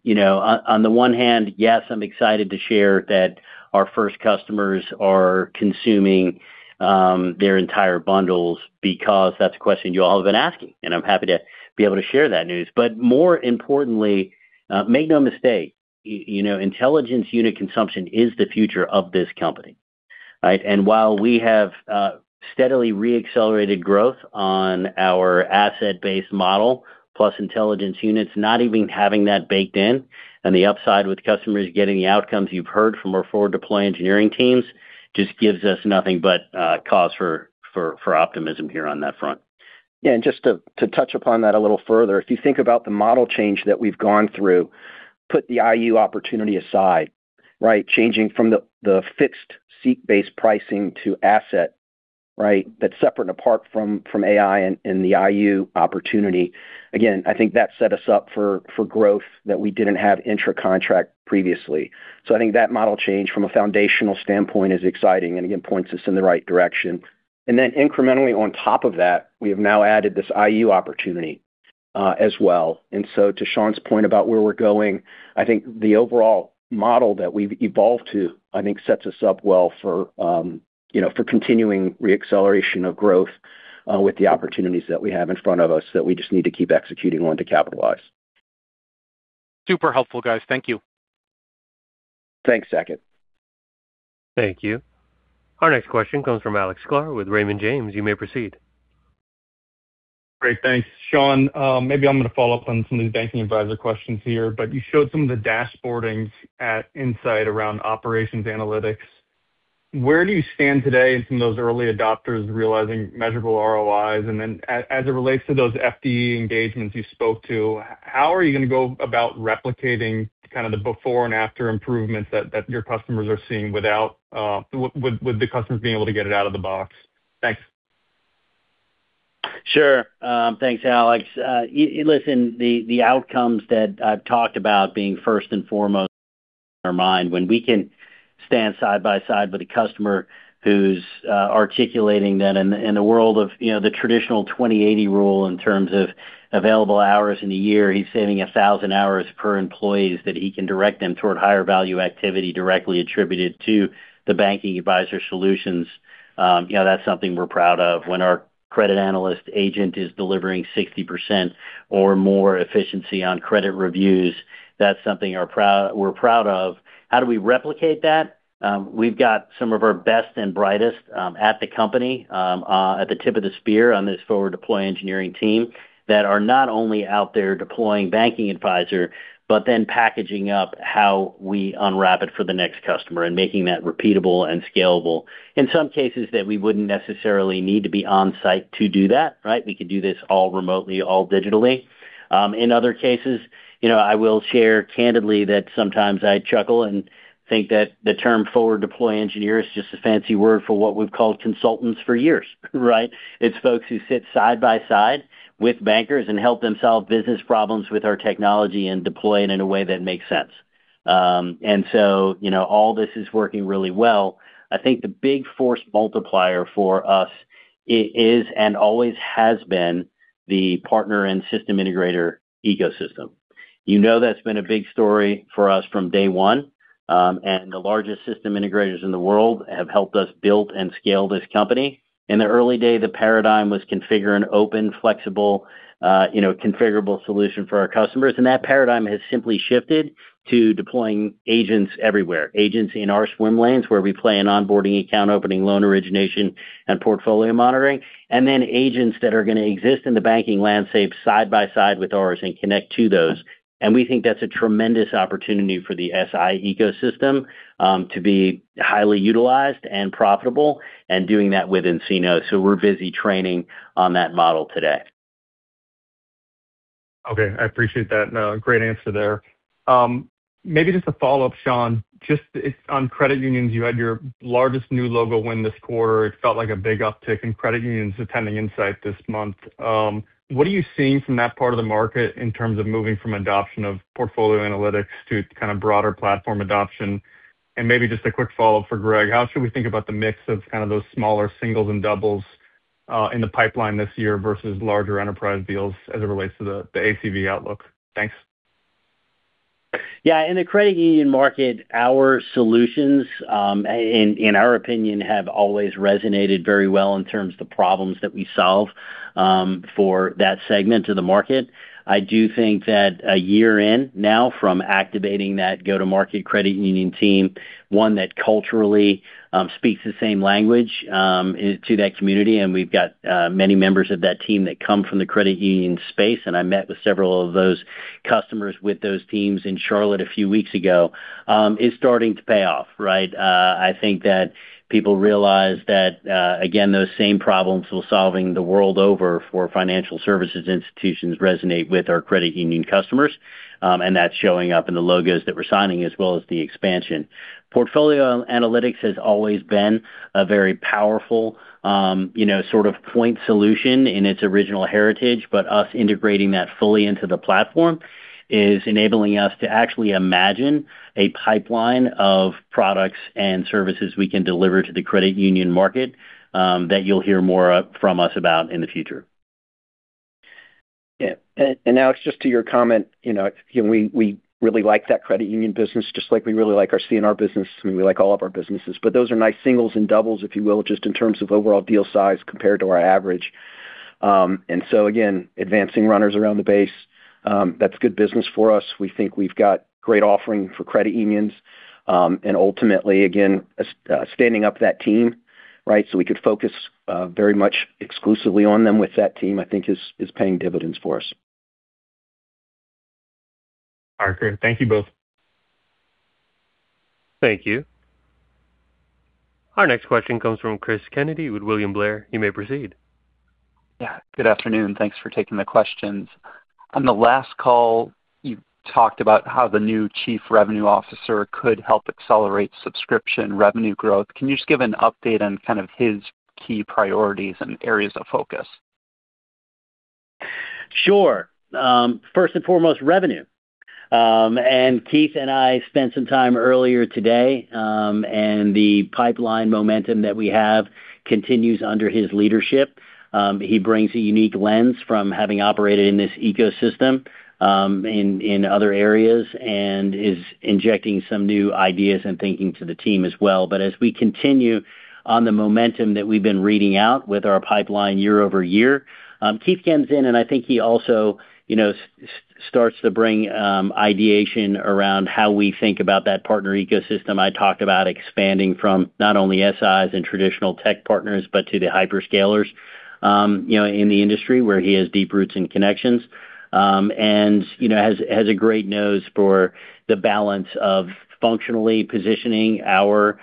C: the one hand, yes, I'm excited to share that our first customers are consuming their entire bundles because that's a question you all have been asking, and I'm happy to be able to share that news. More importantly, make no mistake, intelligence unit consumption is the future of this company. Right? While we have steadily re-accelerated growth on our asset-based model plus Intelligence Unit, not even having that baked in and the upside with customers getting the outcomes you've heard from our forward deployed engineering teams just gives us nothing but cause for optimism here on that front.
D: Just to touch upon that a little further, if you think about the model change that we've gone through. Put the IU opportunity aside, right? Changing from the fixed seat-based pricing to asset, right, that's separate and apart from AI and the IU opportunity. Again, I think that set us up for growth that we didn't have intra-contract previously. I think that model change from a foundational standpoint is exciting, and again, points us in the right direction. Incrementally on top of that, we have now added this IU opportunity, as well. To Sean's point about where we're going, I think the overall model that we've evolved to, I think sets us up well for continuing re-acceleration of growth, with the opportunities that we have in front of us that we just need to keep executing on to capitalize.
G: Super helpful, guys. Thank you.
D: Thanks, Saket.
A: Thank you. Our next question comes from Alex Sklar with Raymond James. You may proceed.
H: Great. Thanks. Sean, maybe I'm going to follow up on some of these Banking Advisor questions here, but you showed some of the dashboarding at nSight around operations analytics. Where do you stand today from those early adopters realizing measurable ROI? As it relates to those FDE engagements you spoke to, how are you going to go about replicating kind of the before and after improvements that your customers are seeing with the customers being able to get it out of the box? Thanks.
C: Sure. Thanks, Alex. Listen, the outcomes that I've talked about being first and foremost in our mind when we can stand side by side with a customer who's articulating that in the world of the traditional 20/80 rule in terms of available hours in a year. He's saving 1,000 hours per employees that he can direct them toward higher value activity directly attributed to the Banking Advisor solutions. That's something we're proud of. When our credit analyst agent is delivering 60% or more efficiency on credit reviews, that's something we're proud of. How do we replicate that? We've got some of our best and brightest at the company, at the tip of the spear on this forward deployed engineering team that are not only out there deploying Banking Advisor, but then packaging up how we unwrap it for the next customer and making that repeatable and scalable. In some cases that we wouldn't necessarily need to be on-site to do that, right? We could do this all remotely, all digitally. In other cases, I will share candidly that sometimes I chuckle and think that the term forward deploy engineer is just a fancy word for what we've called consultants for years, right? It's folks who sit side by side with bankers and help them solve business problems with our technology and deploy it in a way that makes sense. All this is working really well. I think the big force multiplier for us is and always has been the partner and system integrator ecosystem. You know that's been a big story for us from day one. The largest system integrators in the world have helped us build and scale this company. In the early day, the paradigm was configure an open, flexible configurable solution for our customers. That paradigm has simply shifted to deploying agents everywhere, agents in our swim lanes where we play an onboarding account opening loan origination and portfolio monitoring, and then agents that are going to exist in the banking landscape side by side with ours and connect to those. We think that's a tremendous opportunity for the SI ecosystem, to be highly utilized and profitable and doing that with nCino. We're busy training on that model today.
H: Okay. I appreciate that, a great answer there. Maybe just a follow-up, Sean, just on credit unions. You had your largest new logo win this quarter. It felt like a big uptick in credit unions attending nSight this month. What are you seeing from that part of the market in terms of moving from adoption of portfolio analytics to kind of broader platform adoption? Maybe just a quick follow-up for Greg. How should we think about the mix of kind of those smaller singles and doubles in the pipeline this year versus larger enterprise deals as it relates to the ACV outlook? Thanks.
C: Yeah. In the credit union market, our solutions, in our opinion, have always resonated very well in terms of the problems that we solve for that segment of the market. I do think that a year in now from activating that go-to-market credit union team, one that culturally speaks the same language to that community, and we've got many members of that team that come from the credit union space, and I met with several of those customers with those teams in Charlotte a few weeks ago, is starting to pay off, right? I think that people realize that, again, those same problems we're solving the world over for financial services institutions resonate with our credit union customers. That's showing up in the logos that we're signing as well as the expansion. Portfolio analytics has always been a very powerful sort of point solution in its original heritage, but us integrating that fully into the platform is enabling us to actually imagine a pipeline of products and services we can deliver to the credit union market, that you'll hear more from us about in the future.
D: Yeah. Alex, just to your comment, we really like that credit union business just like we really like our C&I business, and we like all of our businesses. Those are nice singles and doubles, if you will, just in terms of overall deal size compared to our average. Again, advancing runners around the base, that's good business for us. We think we've got great offering for credit unions. Ultimately, again, standing up that team, right, so we could focus very much exclusively on them with that team, I think is paying dividends for us.
H: All right, great. Thank you both.
A: Thank you. Our next question comes from Cris Kennedy with William Blair. You may proceed.
I: Yeah, good afternoon. Thanks for taking the questions. On the last call, you talked about how the new Chief Revenue Officer could help accelerate subscription revenue growth. Can you just give an update on kind of his key priorities and areas of focus?
C: Sure. First and foremost, revenue. Keith and I spent some time earlier today, and the pipeline momentum that we have continues under his leadership. He brings a unique lens from having operated in this ecosystem in other areas, and is injecting some new ideas and thinking to the team as well. As we continue on the momentum that we've been reading out with our pipeline year-over-year, Keith comes in, and I think he also starts to bring ideation around how we think about that partner ecosystem I talked about expanding from not only SIs and traditional tech partners, but to the hyperscalers in the industry where he has deep roots and connections. He has a great nose for the balance of functionally positioning our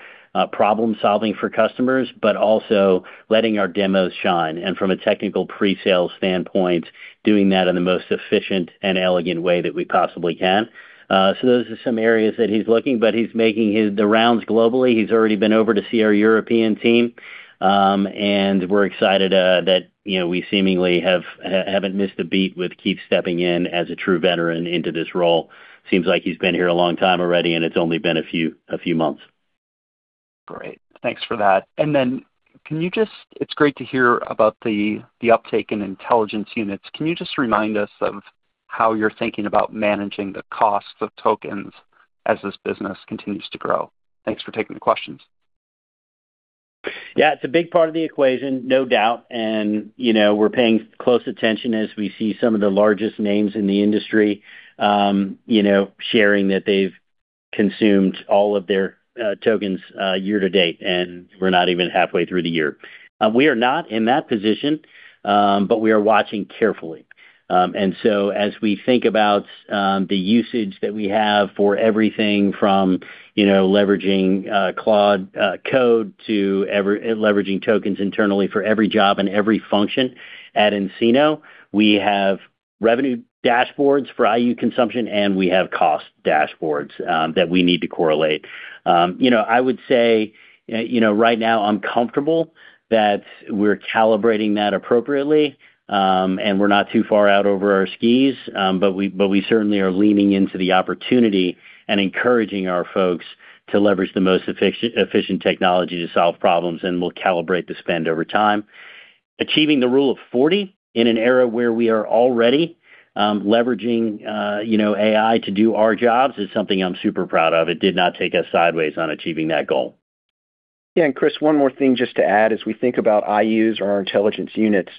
C: problem-solving for customers, but also letting our demos shine. From a technical pre-sale standpoint, doing that in the most efficient and elegant way that we possibly can. Those are some areas that he's looking, but he's making the rounds globally. He's already been over to see our European team. We're excited that we seemingly haven't missed a beat with Keith stepping in as a true veteran into this role. Seems like he's been here a long time already, and it's only been a few months.
I: Great. Thanks for that. It's great to hear about the uptake in Intelligence Unit. Can you just remind us of how you're thinking about managing the cost of tokens as this business continues to grow? Thanks for taking the questions.
C: Yeah. It's a big part of the equation, no doubt. We're paying close attention as we see some of the largest names in the industry sharing that they've consumed all of their tokens year to date, and we're not even halfway through the year. We are not in that position, but we are watching carefully. As we think about the usage that we have for everything from leveraging Claude code to leveraging tokens internally for every job and every function at nCino, we have revenue dashboards for IU consumption, and we have cost dashboards that we need to correlate. I would say right now I'm comfortable that we're calibrating that appropriately, and we're not too far out over our skis. We certainly are leaning into the opportunity and encouraging our folks to leverage the most efficient technology to solve problems, and we'll calibrate the spend over time. Achieving the Rule of 40 in an era where we are already leveraging AI to do our jobs is something I'm super proud of. It did not take us sideways on achieving that goal.
D: Yeah. Cris, one more thing just to add. As we think about IUs or our Intelligence Units,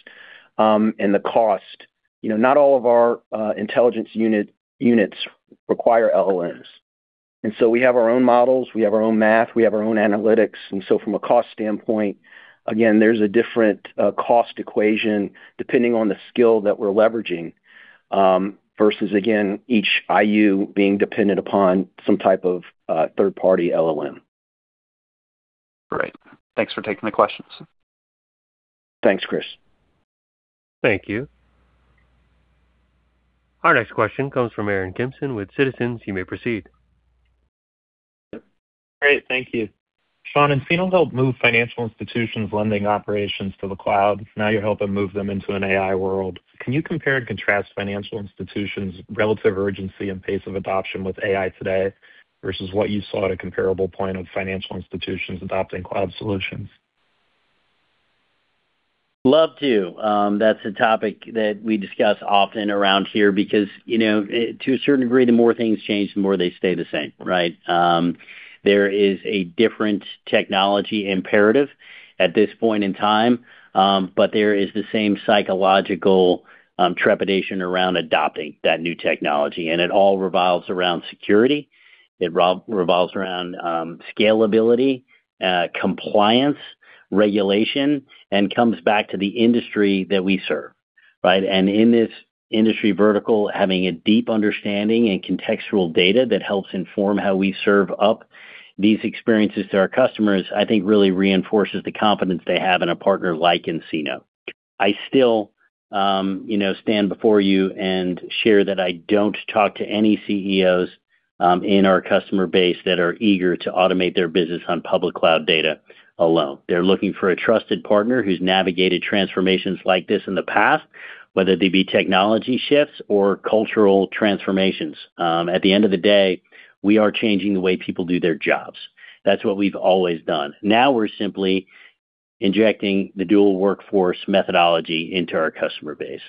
D: and the cost, not all of our Intelligence Units require LLMs. We have our own models, we have our own math, we have our own analytics. From a cost standpoint, again, there's a different cost equation depending on the skill that we're leveraging, versus again, each IU being dependent upon some type of third-party LLM.
I: Great. Thanks for taking the questions.
D: Thanks, Cris.
A: Thank you. Our next question comes from Aaron Kimson with Citizens. You may proceed.
J: Great. Thank you. Sean, nCino helped move financial institutions lending operations to the cloud. Now you help them move them into an AI world. Can you compare and contrast financial institutions' relative urgency and pace of adoption with AI today versus what you saw at a comparable point of financial institutions adopting cloud solutions?
C: Love to. That's a topic that we discuss often around here because, to a certain degree, the more things change, the more they stay the same, right? There is a different technology imperative at this point in time. There is the same psychological trepidation around adopting that new technology. It all revolves around security. It revolves around scalability, compliance, regulation, and comes back to the industry that we serve, right? In this industry vertical, having a deep understanding and contextual data that helps inform how we serve up these experiences to our customers, I think really reinforces the confidence they have in a partner like nCino. I still stand before you and share that I don't talk to any CEOs in our customer base that are eager to automate their business on public cloud data alone. They're looking for a trusted partner who's navigated transformations like this in the past, whether they be technology shifts or cultural transformations. At the end of the day, we are changing the way people do their jobs. That's what we've always done. Now we're simply injecting the dual workforce methodology into our customer base.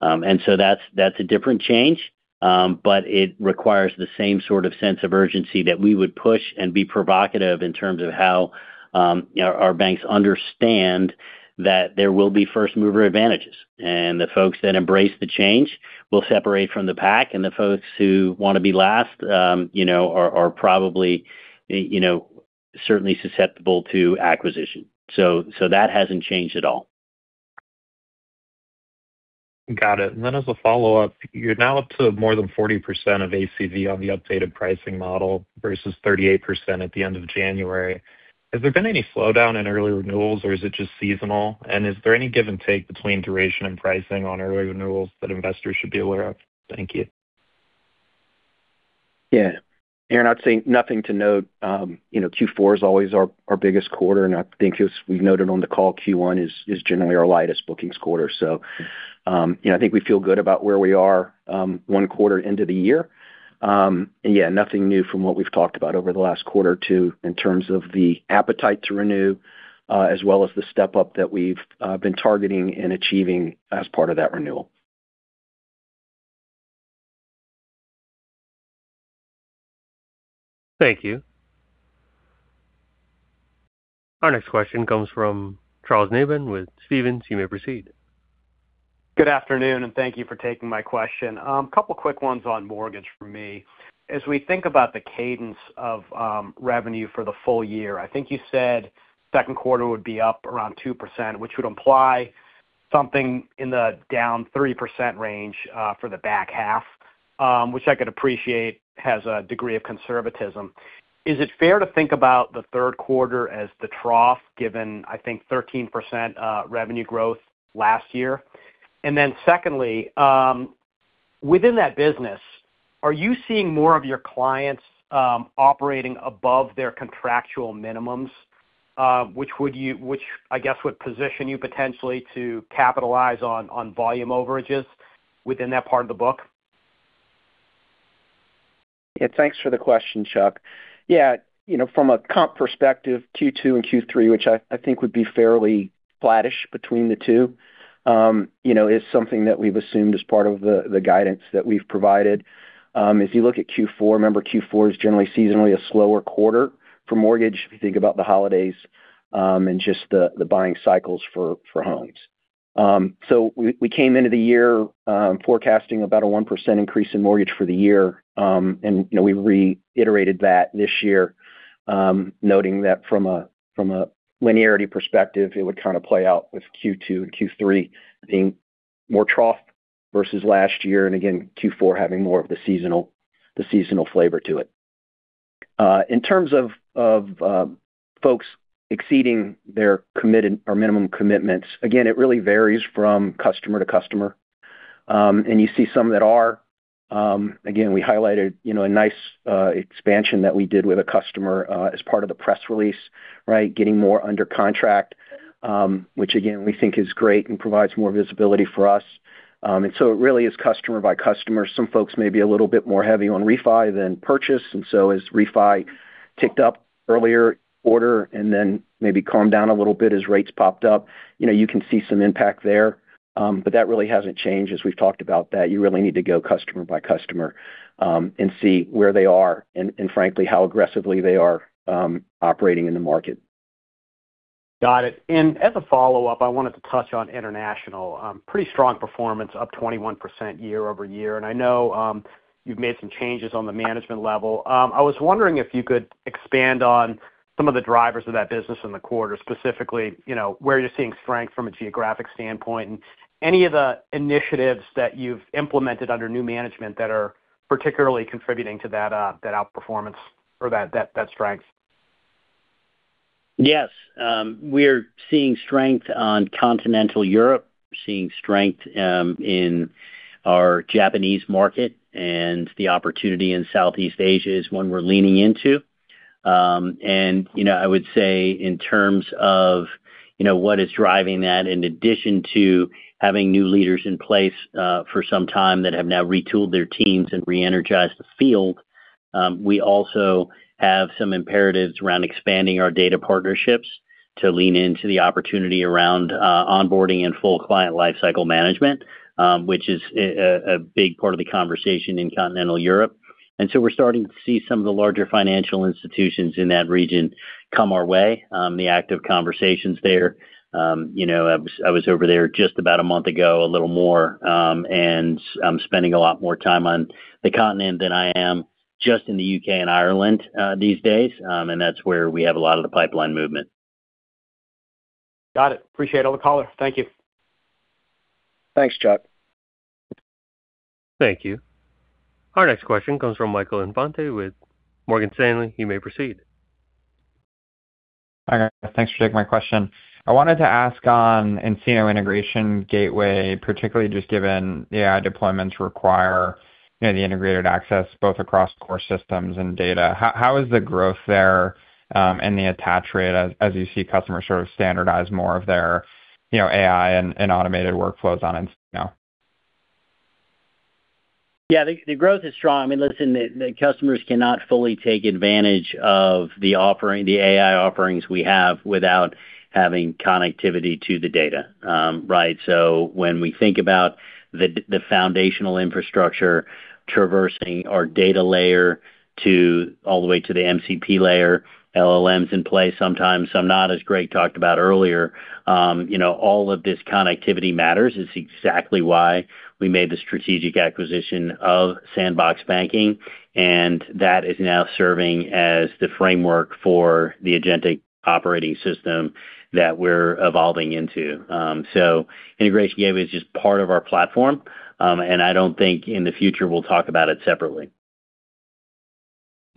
C: That's a different change. It requires the same sort of sense of urgency that we would push and be provocative in terms of how our banks understand that there will be first-mover advantages. The folks that embrace the change will separate from the pack, and the folks who want to be last are probably certainly susceptible to acquisition. That hasn't changed at all.
J: Got it. As a follow-up, you're now up to more than 40% of ACV on the updated pricing model versus 38% at the end of January. Has there been any slowdown in early renewals, or is it just seasonal? Is there any give and take between duration and pricing on early renewals that investors should be aware of? Thank you.
D: Yeah. Aaron, I'd say nothing to note. Q4 is always our biggest quarter, and I think as we noted on the call, Q1 is generally our lightest bookings quarter. I think we feel good about where we are one quarter into the year. Yeah, nothing new from what we've talked about over the last quarter or two in terms of the appetite to renew, as well as the step-up that we've been targeting and achieving as part of that renewal.
J: Thank you.
A: Our next question comes from Charles Nabhan with Stephens. You may proceed.
K: Good afternoon. Thank you for taking my question. Couple quick ones on mortgage for me. As we think about the cadence of revenue for the full year, I think you said second quarter would be up around 2%, which would imply something in the down 3% range for the back half, which I could appreciate has a degree of conservatism. Is it fair to think about the third quarter as the trough, given, I think, 13% revenue growth last year? Secondly, within that business, are you seeing more of your clients operating above their contractual minimums, which I guess would position you potentially to capitalize on volume overages within that part of the book?
D: Yeah. Thanks for the question, Chuck. Yeah. From a comp perspective, Q2 and Q3, which I think would be fairly flattish between the two, is something that we've assumed as part of the guidance that we've provided. If you look at Q4, remember, Q4 is generally seasonally a slower quarter for mortgage if you think about the holidays, and just the buying cycles for homes. We came into the year forecasting about a 1% increase in mortgage for the year. We reiterated that this year, noting that from a linearity perspective, it would kind of play out with Q2 and Q3 being more trough versus last year. Again, Q4 having more of the seasonal flavor to it. In terms of folks exceeding their minimum commitments, again, it really varies from customer to customer. You see some that are. Again, we highlighted a nice expansion that we did with a customer as part of the press release, right? Getting more under contract. Again, we think is great and provides more visibility for us. It really is customer by customer. Some folks may be a little bit more heavy on refi than purchase, and so as refi ticked up earlier quarter and then maybe calmed down a little bit as rates popped up. You can see some impact there. That really hasn't changed as we've talked about that you really need to go customer by customer, and see where they are and frankly how aggressively they are operating in the market.
K: Got it. As a follow-up, I wanted to touch on international. Pretty strong performance, up 21% year-over-year. I know you've made some changes on the management level. I was wondering if you could expand on some of the drivers of that business in the quarter, specifically where you're seeing strength from a geographic standpoint and any of the initiatives that you've implemented under new management that are particularly contributing to that outperformance or that strength.
C: Yes. We're seeing strength on continental Europe. We're seeing strength in our Japanese market. The opportunity in Southeast Asia is one we're leaning into. I would say in terms of what is driving that, in addition to having new leaders in place for some time that have now retooled their teams and re-energized the field, we also have some imperatives around expanding our data partnerships to lean into the opportunity around onboarding and full client lifecycle management, which is a big part of the conversation in continental Europe. We're starting to see some of the larger financial institutions in that region come our way. The active conversations there. I was over there just about a month ago, a little more, and spending a lot more time on the continent than I am just in the U.K. and Ireland these days.
D: That's where we have a lot of the pipeline movement.
K: Got it. Appreciate all the color. Thank you.
D: Thanks, Chuck.
A: Thank you. Our next question comes from Michael Infante with Morgan Stanley. You may proceed.
L: Hi guys, thanks for taking my question. I wanted to ask on nCino Integration Gateway, particularly just given AI deployments require the integrated access both across core systems and data. How is the growth there, and the attach rate as you see customers sort of standardize more of their AI and automated workflows on nCino?
C: Yeah, the growth is strong. Listen, the customers cannot fully take advantage of the AI offerings we have without having connectivity to the data. Right? When we think about the foundational infrastructure traversing our data layer all the way to the MCP layer, LLMs in play, sometimes some not, as Greg talked about earlier. All of this connectivity matters is exactly why We made the strategic acquisition of Sandbox Banking, that is now serving as the framework for the Agentic Operating System that we're evolving into. Integration Gateway is just part of our platform, and I don't think in the future we'll talk about it separately.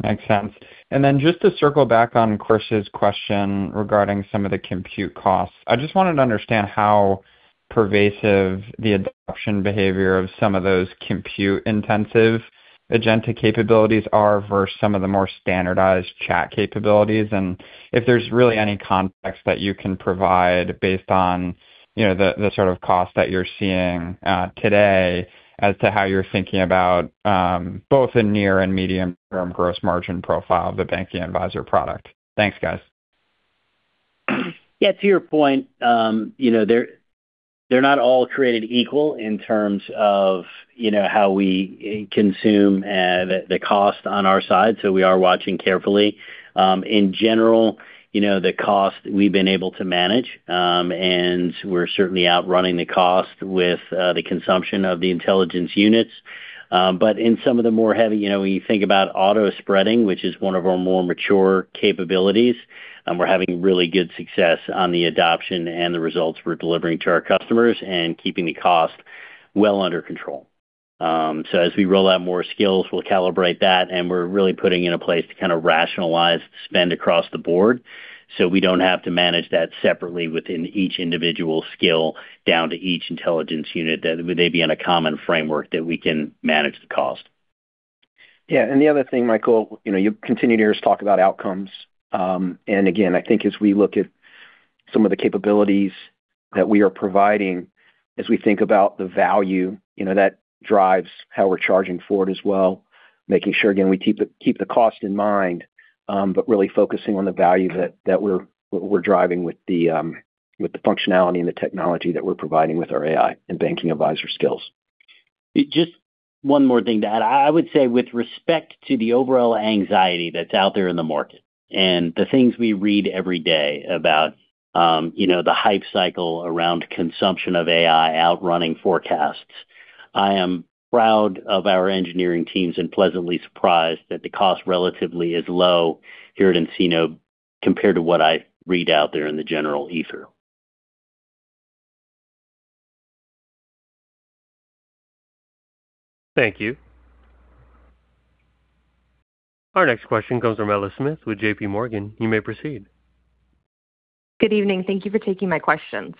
L: Makes sense. Then just to circle back on Cris's question regarding some of the compute costs, I just wanted to understand how pervasive the adoption behavior of some of those compute-intensive agentic capabilities are versus some of the more standardized chat capabilities, and if there's really any context that you can provide based on the sort of cost that you're seeing today as to how you're thinking about both the near and medium-term gross margin profile of the Banking Advisor product. Thanks, guys.
C: To your point, they're not all created equal in terms of how we consume the cost on our side. We are watching carefully. In general, the cost we've been able to manage, and we're certainly outrunning the cost with the consumption of the Intelligence Unit. In some of the more heavy When you think about Automated Spreading, which is one of our more mature capabilities, we're having really good success on the adoption and the results we're delivering to our customers and keeping the cost well under control. As we roll out more skills, we'll calibrate that, and we're really putting in a place to kind of rationalize spend across the board so we don't have to manage that separately within each individual skill down to each Intelligence Unit. That would they be in a common framework that we can manage the cost.
D: Yeah. The other thing, Michael, you'll continue to hear us talk about outcomes. Again, I think as we look at some of the capabilities that we are providing as we think about the value, that drives how we're charging for it as well, making sure, again, we keep the cost in mind, but really focusing on the value that we're driving with the functionality and the technology that we're providing with our AI and Banking Advisor skills.
C: Just one more thing to add. I would say with respect to the overall anxiety that's out there in the market and the things we read every day about the hype cycle around consumption of AI outrunning forecasts, I am proud of our engineering teams and pleasantly surprised that the cost relatively is low here at nCino compared to what I read out there in the general ether.
A: Thank you. Our next question comes from Ella Smith with JPMorgan. You may proceed.
M: Good evening. Thank you for taking my questions.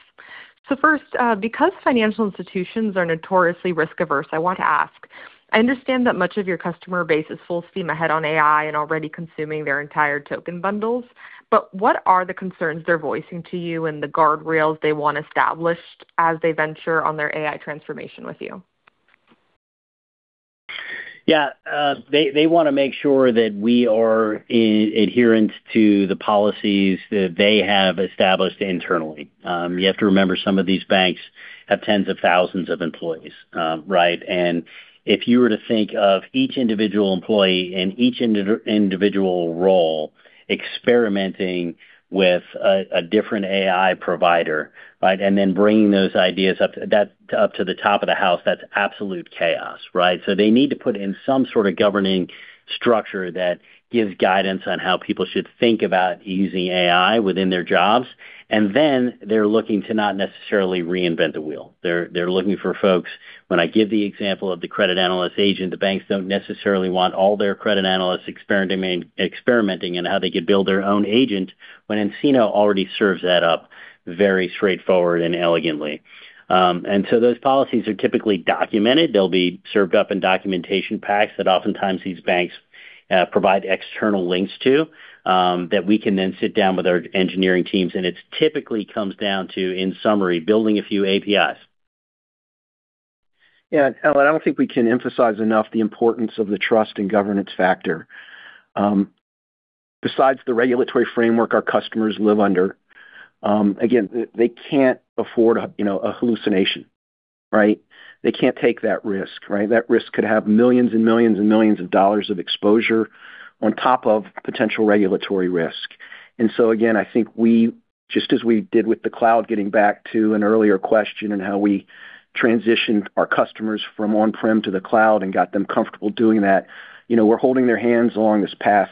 M: First, because financial institutions are notoriously risk-averse, I want to ask. I understand that much of your customer base is full steam ahead on AI and already consuming their entire token bundles, but what are the concerns they're voicing to you and the guardrails they want established as they venture on their AI transformation with you?
C: They want to make sure that we are adherent to the policies that they have established internally. You have to remember, some of these banks have tens of thousands of employees. If you were to think of each individual employee in each individual role experimenting with a different AI provider, and then bringing those ideas up to the top of the house, that's absolute chaos. They need to put in some sort of governing structure that gives guidance on how people should think about using AI within their jobs. They're looking to not necessarily reinvent the wheel. They're looking for folks. When I give the example of the credit analyst agent, the banks don't necessarily want all their credit analysts experimenting in how they could build their own agent when nCino already serves that up very straightforward and elegantly. Those policies are typically documented. They'll be served up in documentation packs that oftentimes these banks provide external links to, that we can then sit down with our engineering teams, and it typically comes down to, in summary, building a few APIs.
D: Ella, I don't think we can emphasize enough the importance of the trust and governance factor. Besides the regulatory framework our customers live under, again, they can't afford a hallucination, right? They can't take that risk, right? That risk could have millions and millions and millions of dollars of exposure on top of potential regulatory risk. Again, I think we, just as we did with the cloud, getting back to an earlier question on how we transitioned our customers from on-prem to the cloud and got them comfortable doing that, we're holding their hands along this path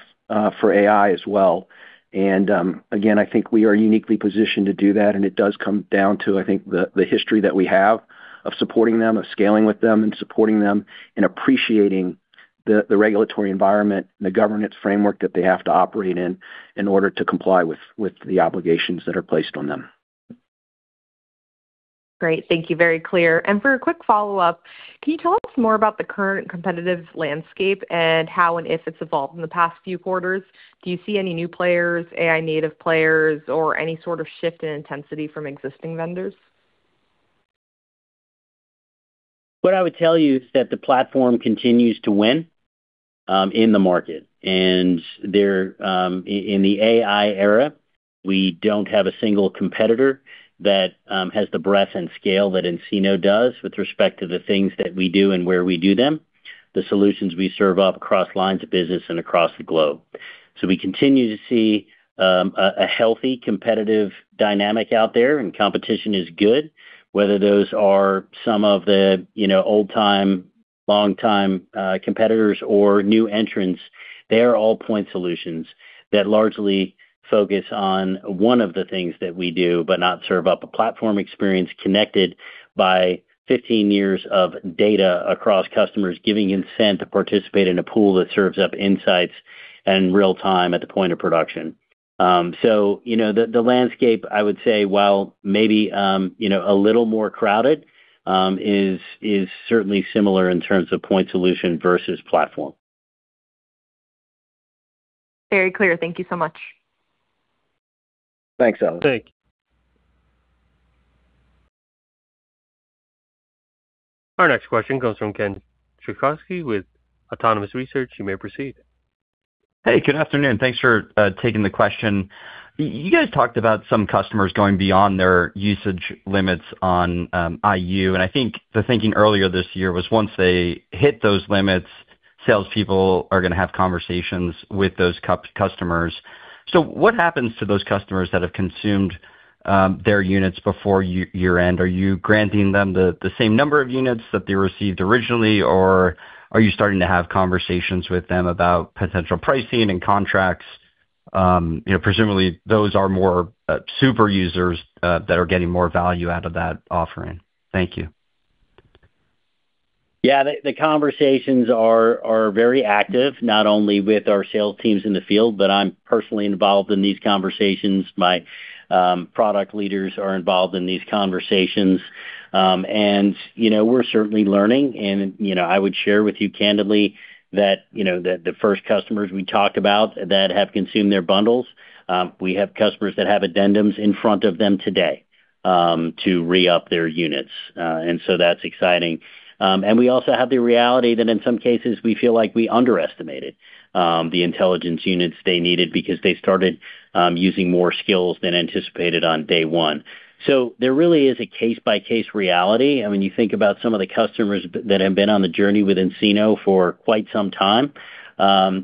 D: for AI as well. Again, I think we are uniquely positioned to do that, and it does come down to, I think, the history that we have of supporting them, of scaling with them and supporting them in appreciating the regulatory environment and the governance framework that they have to operate in in order to comply with the obligations that are placed on them.
M: Great. Thank you. Very clear. For a quick follow-up, can you tell us more about the current competitive landscape and how and if it's evolved in the past few quarters? Do you see any new players, AI-native players, or any sort of shift in intensity from existing vendors?
C: What I would tell you is that the platform continues to win in the market, and in the AI era, we don't have a single competitor that has the breadth and scale that nCino does with respect to the things that we do and where we do them, the solutions we serve up across lines of business and across the globe. We continue to see a healthy, competitive dynamic out there, and competition is good. Whether those are some of the old-time, long-time competitors or new entrants, they are all point solutions that largely focus on one of the things that we do but not serve up a platform experience connected by 15 years of data across customers giving consent to participate in a pool that serves up insights in real time at the point of production. The landscape, I would say, while maybe a little more crowded, is certainly similar in terms of point solution versus platform.
M: Very clear. Thank you so much.
C: Thanks, Ella.
D: Thank you.
A: Our next question comes from Ken Usdin with Autonomous Research. You may proceed.
N: Hey, good afternoon. Thanks for taking the question. You guys talked about some customers going beyond their usage limits on IU, and I think the thinking earlier this year was once they hit those limits, salespeople are going to have conversations with those customers. What happens to those customers that have consumed their units before year-end? Are you granting them the same number of units that they received originally, or are you starting to have conversations with them about potential pricing and contracts? Presumably, those are more super users that are getting more value out of that offering. Thank you.
C: Yeah. The conversations are very active, not only with our sales teams in the field, but I'm personally involved in these conversations. My product leaders are involved in these conversations. We're certainly learning, and I would share with you candidly that the first customers we talked about that have consumed their bundles, we have customers that have addendums in front of them today to re-up their units. That's exciting. We also have the reality that in some cases, we feel like we underestimated the Intelligence Units they needed because they started using more skills than anticipated on day one. There really is a case-by-case reality. When you think about some of the customers that have been on the journey with nCino for quite some time,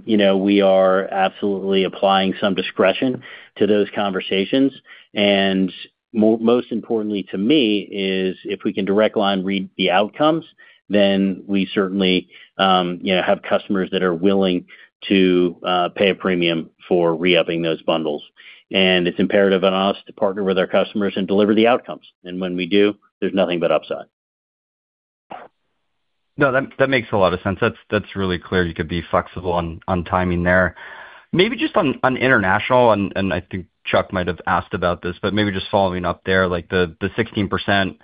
C: we are absolutely applying some discretion to those conversations. Most importantly to me is if we can direct line read the outcomes, then we certainly have customers that are willing to pay a premium for re-upping those bundles. It's imperative on us to partner with our customers and deliver the outcomes. When we do, there's nothing but upside.
N: No, that makes a lot of sense. That's really clear. You could be flexible on timing there. Maybe just on international, and I think Chuck might have asked about this, but maybe just following up there, like the 16%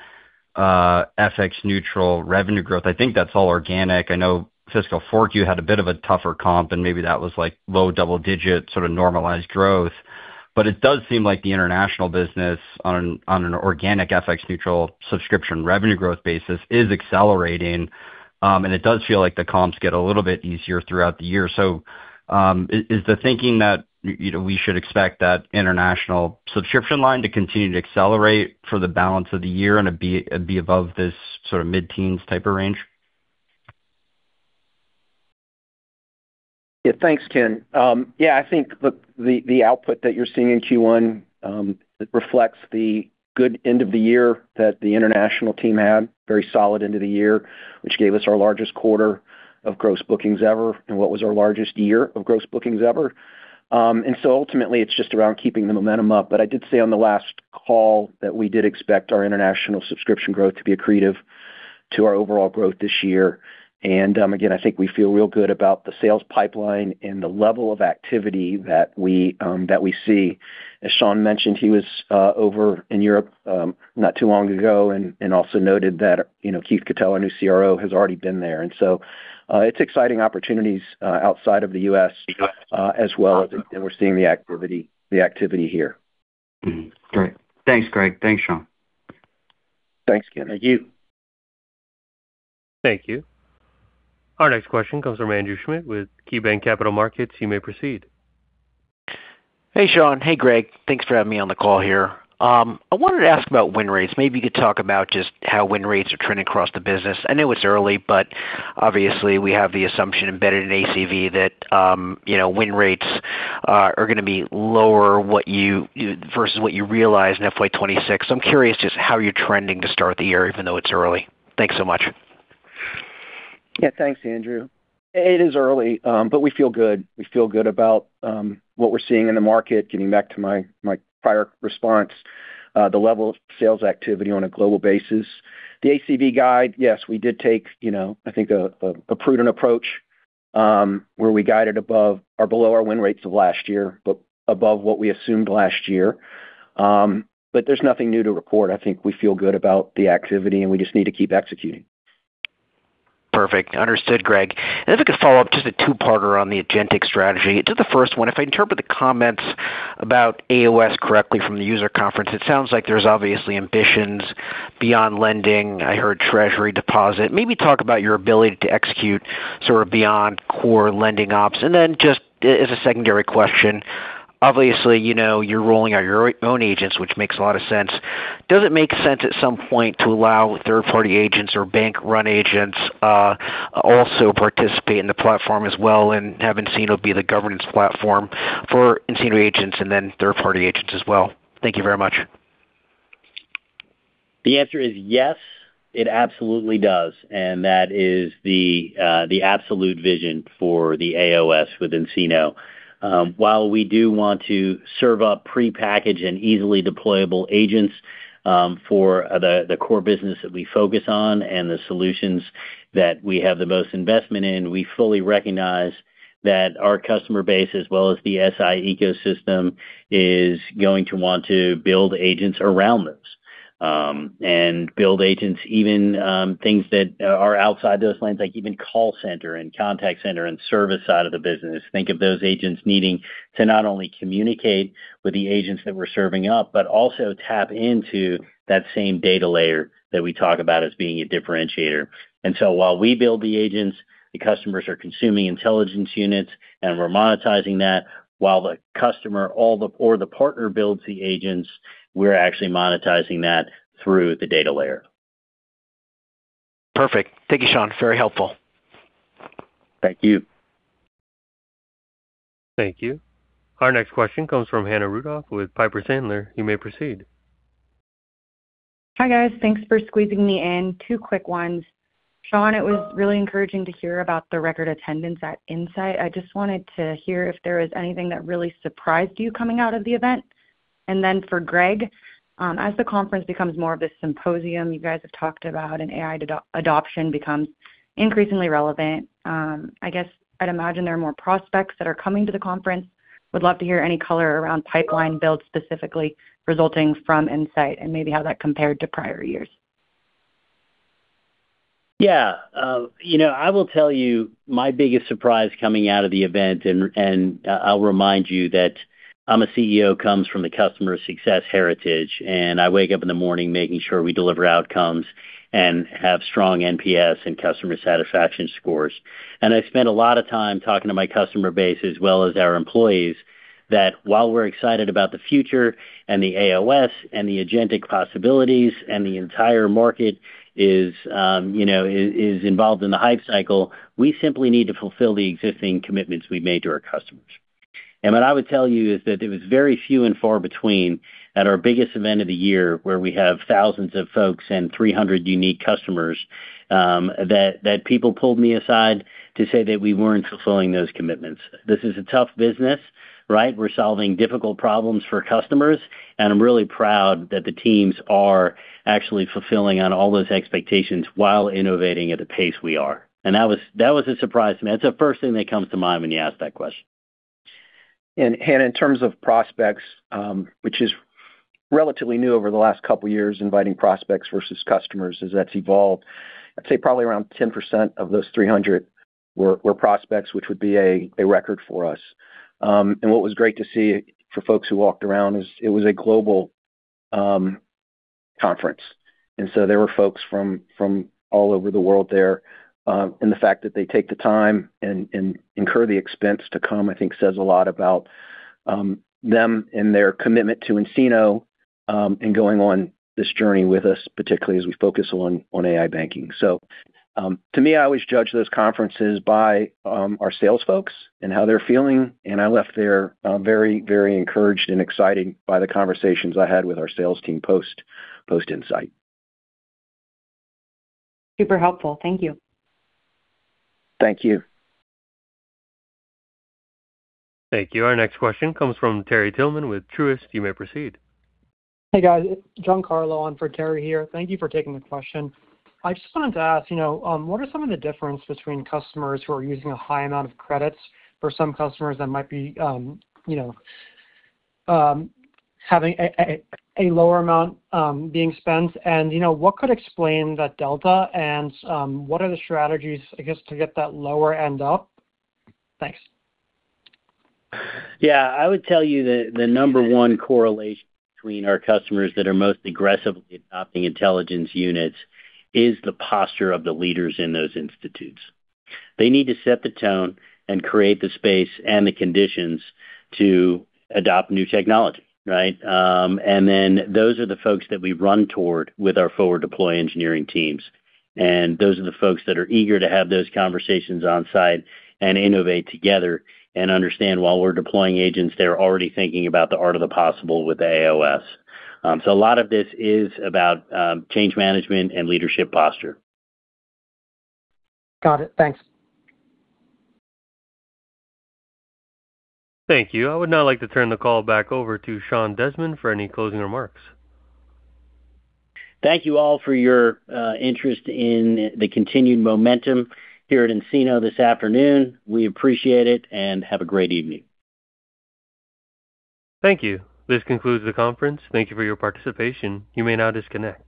N: FX-neutral revenue growth, I think that's all organic. I know fiscal 4Q had a bit of a tougher comp, and maybe that was low double digit sort of normalized growth. It does seem like the international business on an organic FX-neutral subscription revenue growth basis is accelerating, and it does feel like the comps get a little bit easier throughout the year. Is the thinking that we should expect that international subscription line to continue to accelerate for the balance of the year and be above this sort of mid-teens type of range?
D: Yeah. Thanks, Ken. Yeah, I think the output that you're seeing in Q1 reflects the good end of the year that the international team had, very solid end of the year, which gave us our largest quarter of gross bookings ever and what was our largest year of gross bookings ever. Ultimately, it's just around keeping the momentum up. I did say on the last call that we did expect our international subscription growth to be accretive to our overall growth this year. Again, I think we feel real good about the sales pipeline and the level of activity that we see. As Sean mentioned, he was over in Europe not too long ago, and also noted that Keith Kettell, our new CRO, has already been there. It's exciting opportunities outside of the U.S. as well, and we're seeing the activity here.
N: Mm-hmm. Great. Thanks, Greg. Thanks, Sean.
D: Thanks, Ken.
C: Thank you.
A: Thank you. Our next question comes from Andrew Schmidt with KeyBanc Capital Markets. You may proceed.
O: Hey, Sean. Hey, Greg. Thanks for having me on the call here. I wanted to ask about win rates. Maybe you could talk about just how win rates are trending across the business. I know it's early, but obviously we have the assumption embedded in ACV that win rates are going to be lower versus what you realize in FY 2026. I'm curious just how you're trending to start the year, even though it's early. Thanks so much.
D: Yeah. Thanks, Andrew. It is early, but we feel good. We feel good about what we're seeing in the market, getting back to my prior response, the level of sales activity on a global basis. The ACV guide, yes, we did take I think a prudent approach, where we guided above or below our win rates of last year, but above what we assumed last year. There's nothing new to report. I think we feel good about the activity, and we just need to keep executing.
O: Perfect. Understood, Greg. If I could follow up, just a two-parter on the agentic strategy. To the first one, if I interpret the comments about AOS correctly from the user conference, it sounds like there's obviously ambitions beyond lending. I heard treasury deposit. Maybe talk about your ability to execute sort of beyond core lending ops. Just as a secondary question. Obviously, you're rolling out your own agents, which makes a lot of sense. Does it make sense at some point to allow third-party agents or bank-run agents also participate in the platform as well, and have nCino be the governance platform for nCino agents and then third-party agents as well? Thank you very much.
C: The answer is yes, it absolutely does. That is the absolute vision for the AOS with nCino. While we do want to serve up prepackaged and easily deployable agents for the core business that we focus on and the solutions that we have the most investment in, we fully recognize that our customer base, as well as the SI ecosystem, is going to want to build agents around those. Build agents, even things that are outside those lanes, like even call center and contact center and service side of the business. Think of those agents needing to not only communicate with the agents that we're serving up, but also tap into that same data layer that we talk about as being a differentiator. While we build the agents, the customers are consuming Intelligence Units, and we're monetizing that. While the customer or the partner builds the agents, we're actually monetizing that through the data layer.
O: Perfect. Thank you, Sean. Very helpful.
C: Thank you.
A: Thank you. Our next question comes from Hannah Rudoff with Piper Sandler. You may proceed.
P: Hi, guys. Thanks for squeezing me in. Two quick ones. Sean, it was really encouraging to hear about the record attendance at nSight. I just wanted to hear if there was anything that really surprised you coming out of the event. For Greg, as the conference becomes more of this symposium you guys have talked about and AI adoption becomes increasingly relevant, I guess I'd imagine there are more prospects that are coming to the conference. Would love to hear any color around pipeline build specifically resulting from nSight and maybe how that compared to prior years.
C: Yeah. I will tell you my biggest surprise coming out of the event. I'll remind you that I'm a CEO comes from the customer success heritage. I wake up in the morning making sure we deliver outcomes and have strong NPS and customer satisfaction scores. I spend a lot of time talking to my customer base as well as our employees that while we're excited about the future and the AOS and the agentic possibilities and the entire market is involved in the hype cycle, we simply need to fulfill the existing commitments we've made to our customers. What I would tell you is that it was very few and far between at our biggest event of the year, where we have thousands of folks and 300 unique customers, that people pulled me aside to say that we weren't fulfilling those commitments. This is a tough business, right? We're solving difficult problems for customers, and I'm really proud that the teams are actually fulfilling on all those expectations while innovating at the pace we are. That was a surprise to me. That's the first thing that comes to mind when you ask that question.
D: Hannah, in terms of prospects, which is relatively new over the last couple of years, inviting prospects versus customers as that's evolved. I'd say probably around 10% of those 300 were prospects, which would be a record for us. What was great to see for folks who walked around is it was a global conference. So there were folks from all over the world there. The fact that they take the time and incur the expense to come, I think, says a lot about them and their commitment to nCino and going on this journey with us, particularly as we focus on AI banking. To me, I always judge those conferences by our sales folks and how they're feeling, and I left there very encouraged and excited by the conversations I had with our sales team post nSight.
P: Super helpful. Thank you.
D: Thank you.
A: Thank you. Our next question comes from Terry Tillman with Truist. You may proceed.
Q: Hey, guys. Giancarlo on for Terry here. Thank you for taking the question. I just wanted to ask, what are some of the difference between customers who are using a high amount of credits for some customers that might be having a lower amount being spent? What could explain that delta, and what are the strategies, I guess, to get that lower end up? Thanks.
C: Yeah. I would tell you the number one correlation between our customers that are most aggressively adopting Intelligence Unit is the posture of the leaders in those institutes. They need to set the tone and create the space and the conditions to adopt new technology, right? Those are the folks that we run toward with our forward deployed engineering teams, and those are the folks that are eager to have those conversations on-site and innovate together and understand while we're deploying agents, they're already thinking about the art of the possible with the AOS. A lot of this is about change management and leadership posture.
Q: Got it. Thanks.
A: Thank you. I would now like to turn the call back over to Sean Desmond for any closing remarks.
C: Thank you all for your interest in the continued momentum here at nCino this afternoon. We appreciate it, and have a great evening.
A: Thank you. This concludes the conference. Thank you for your participation. You may now disconnect.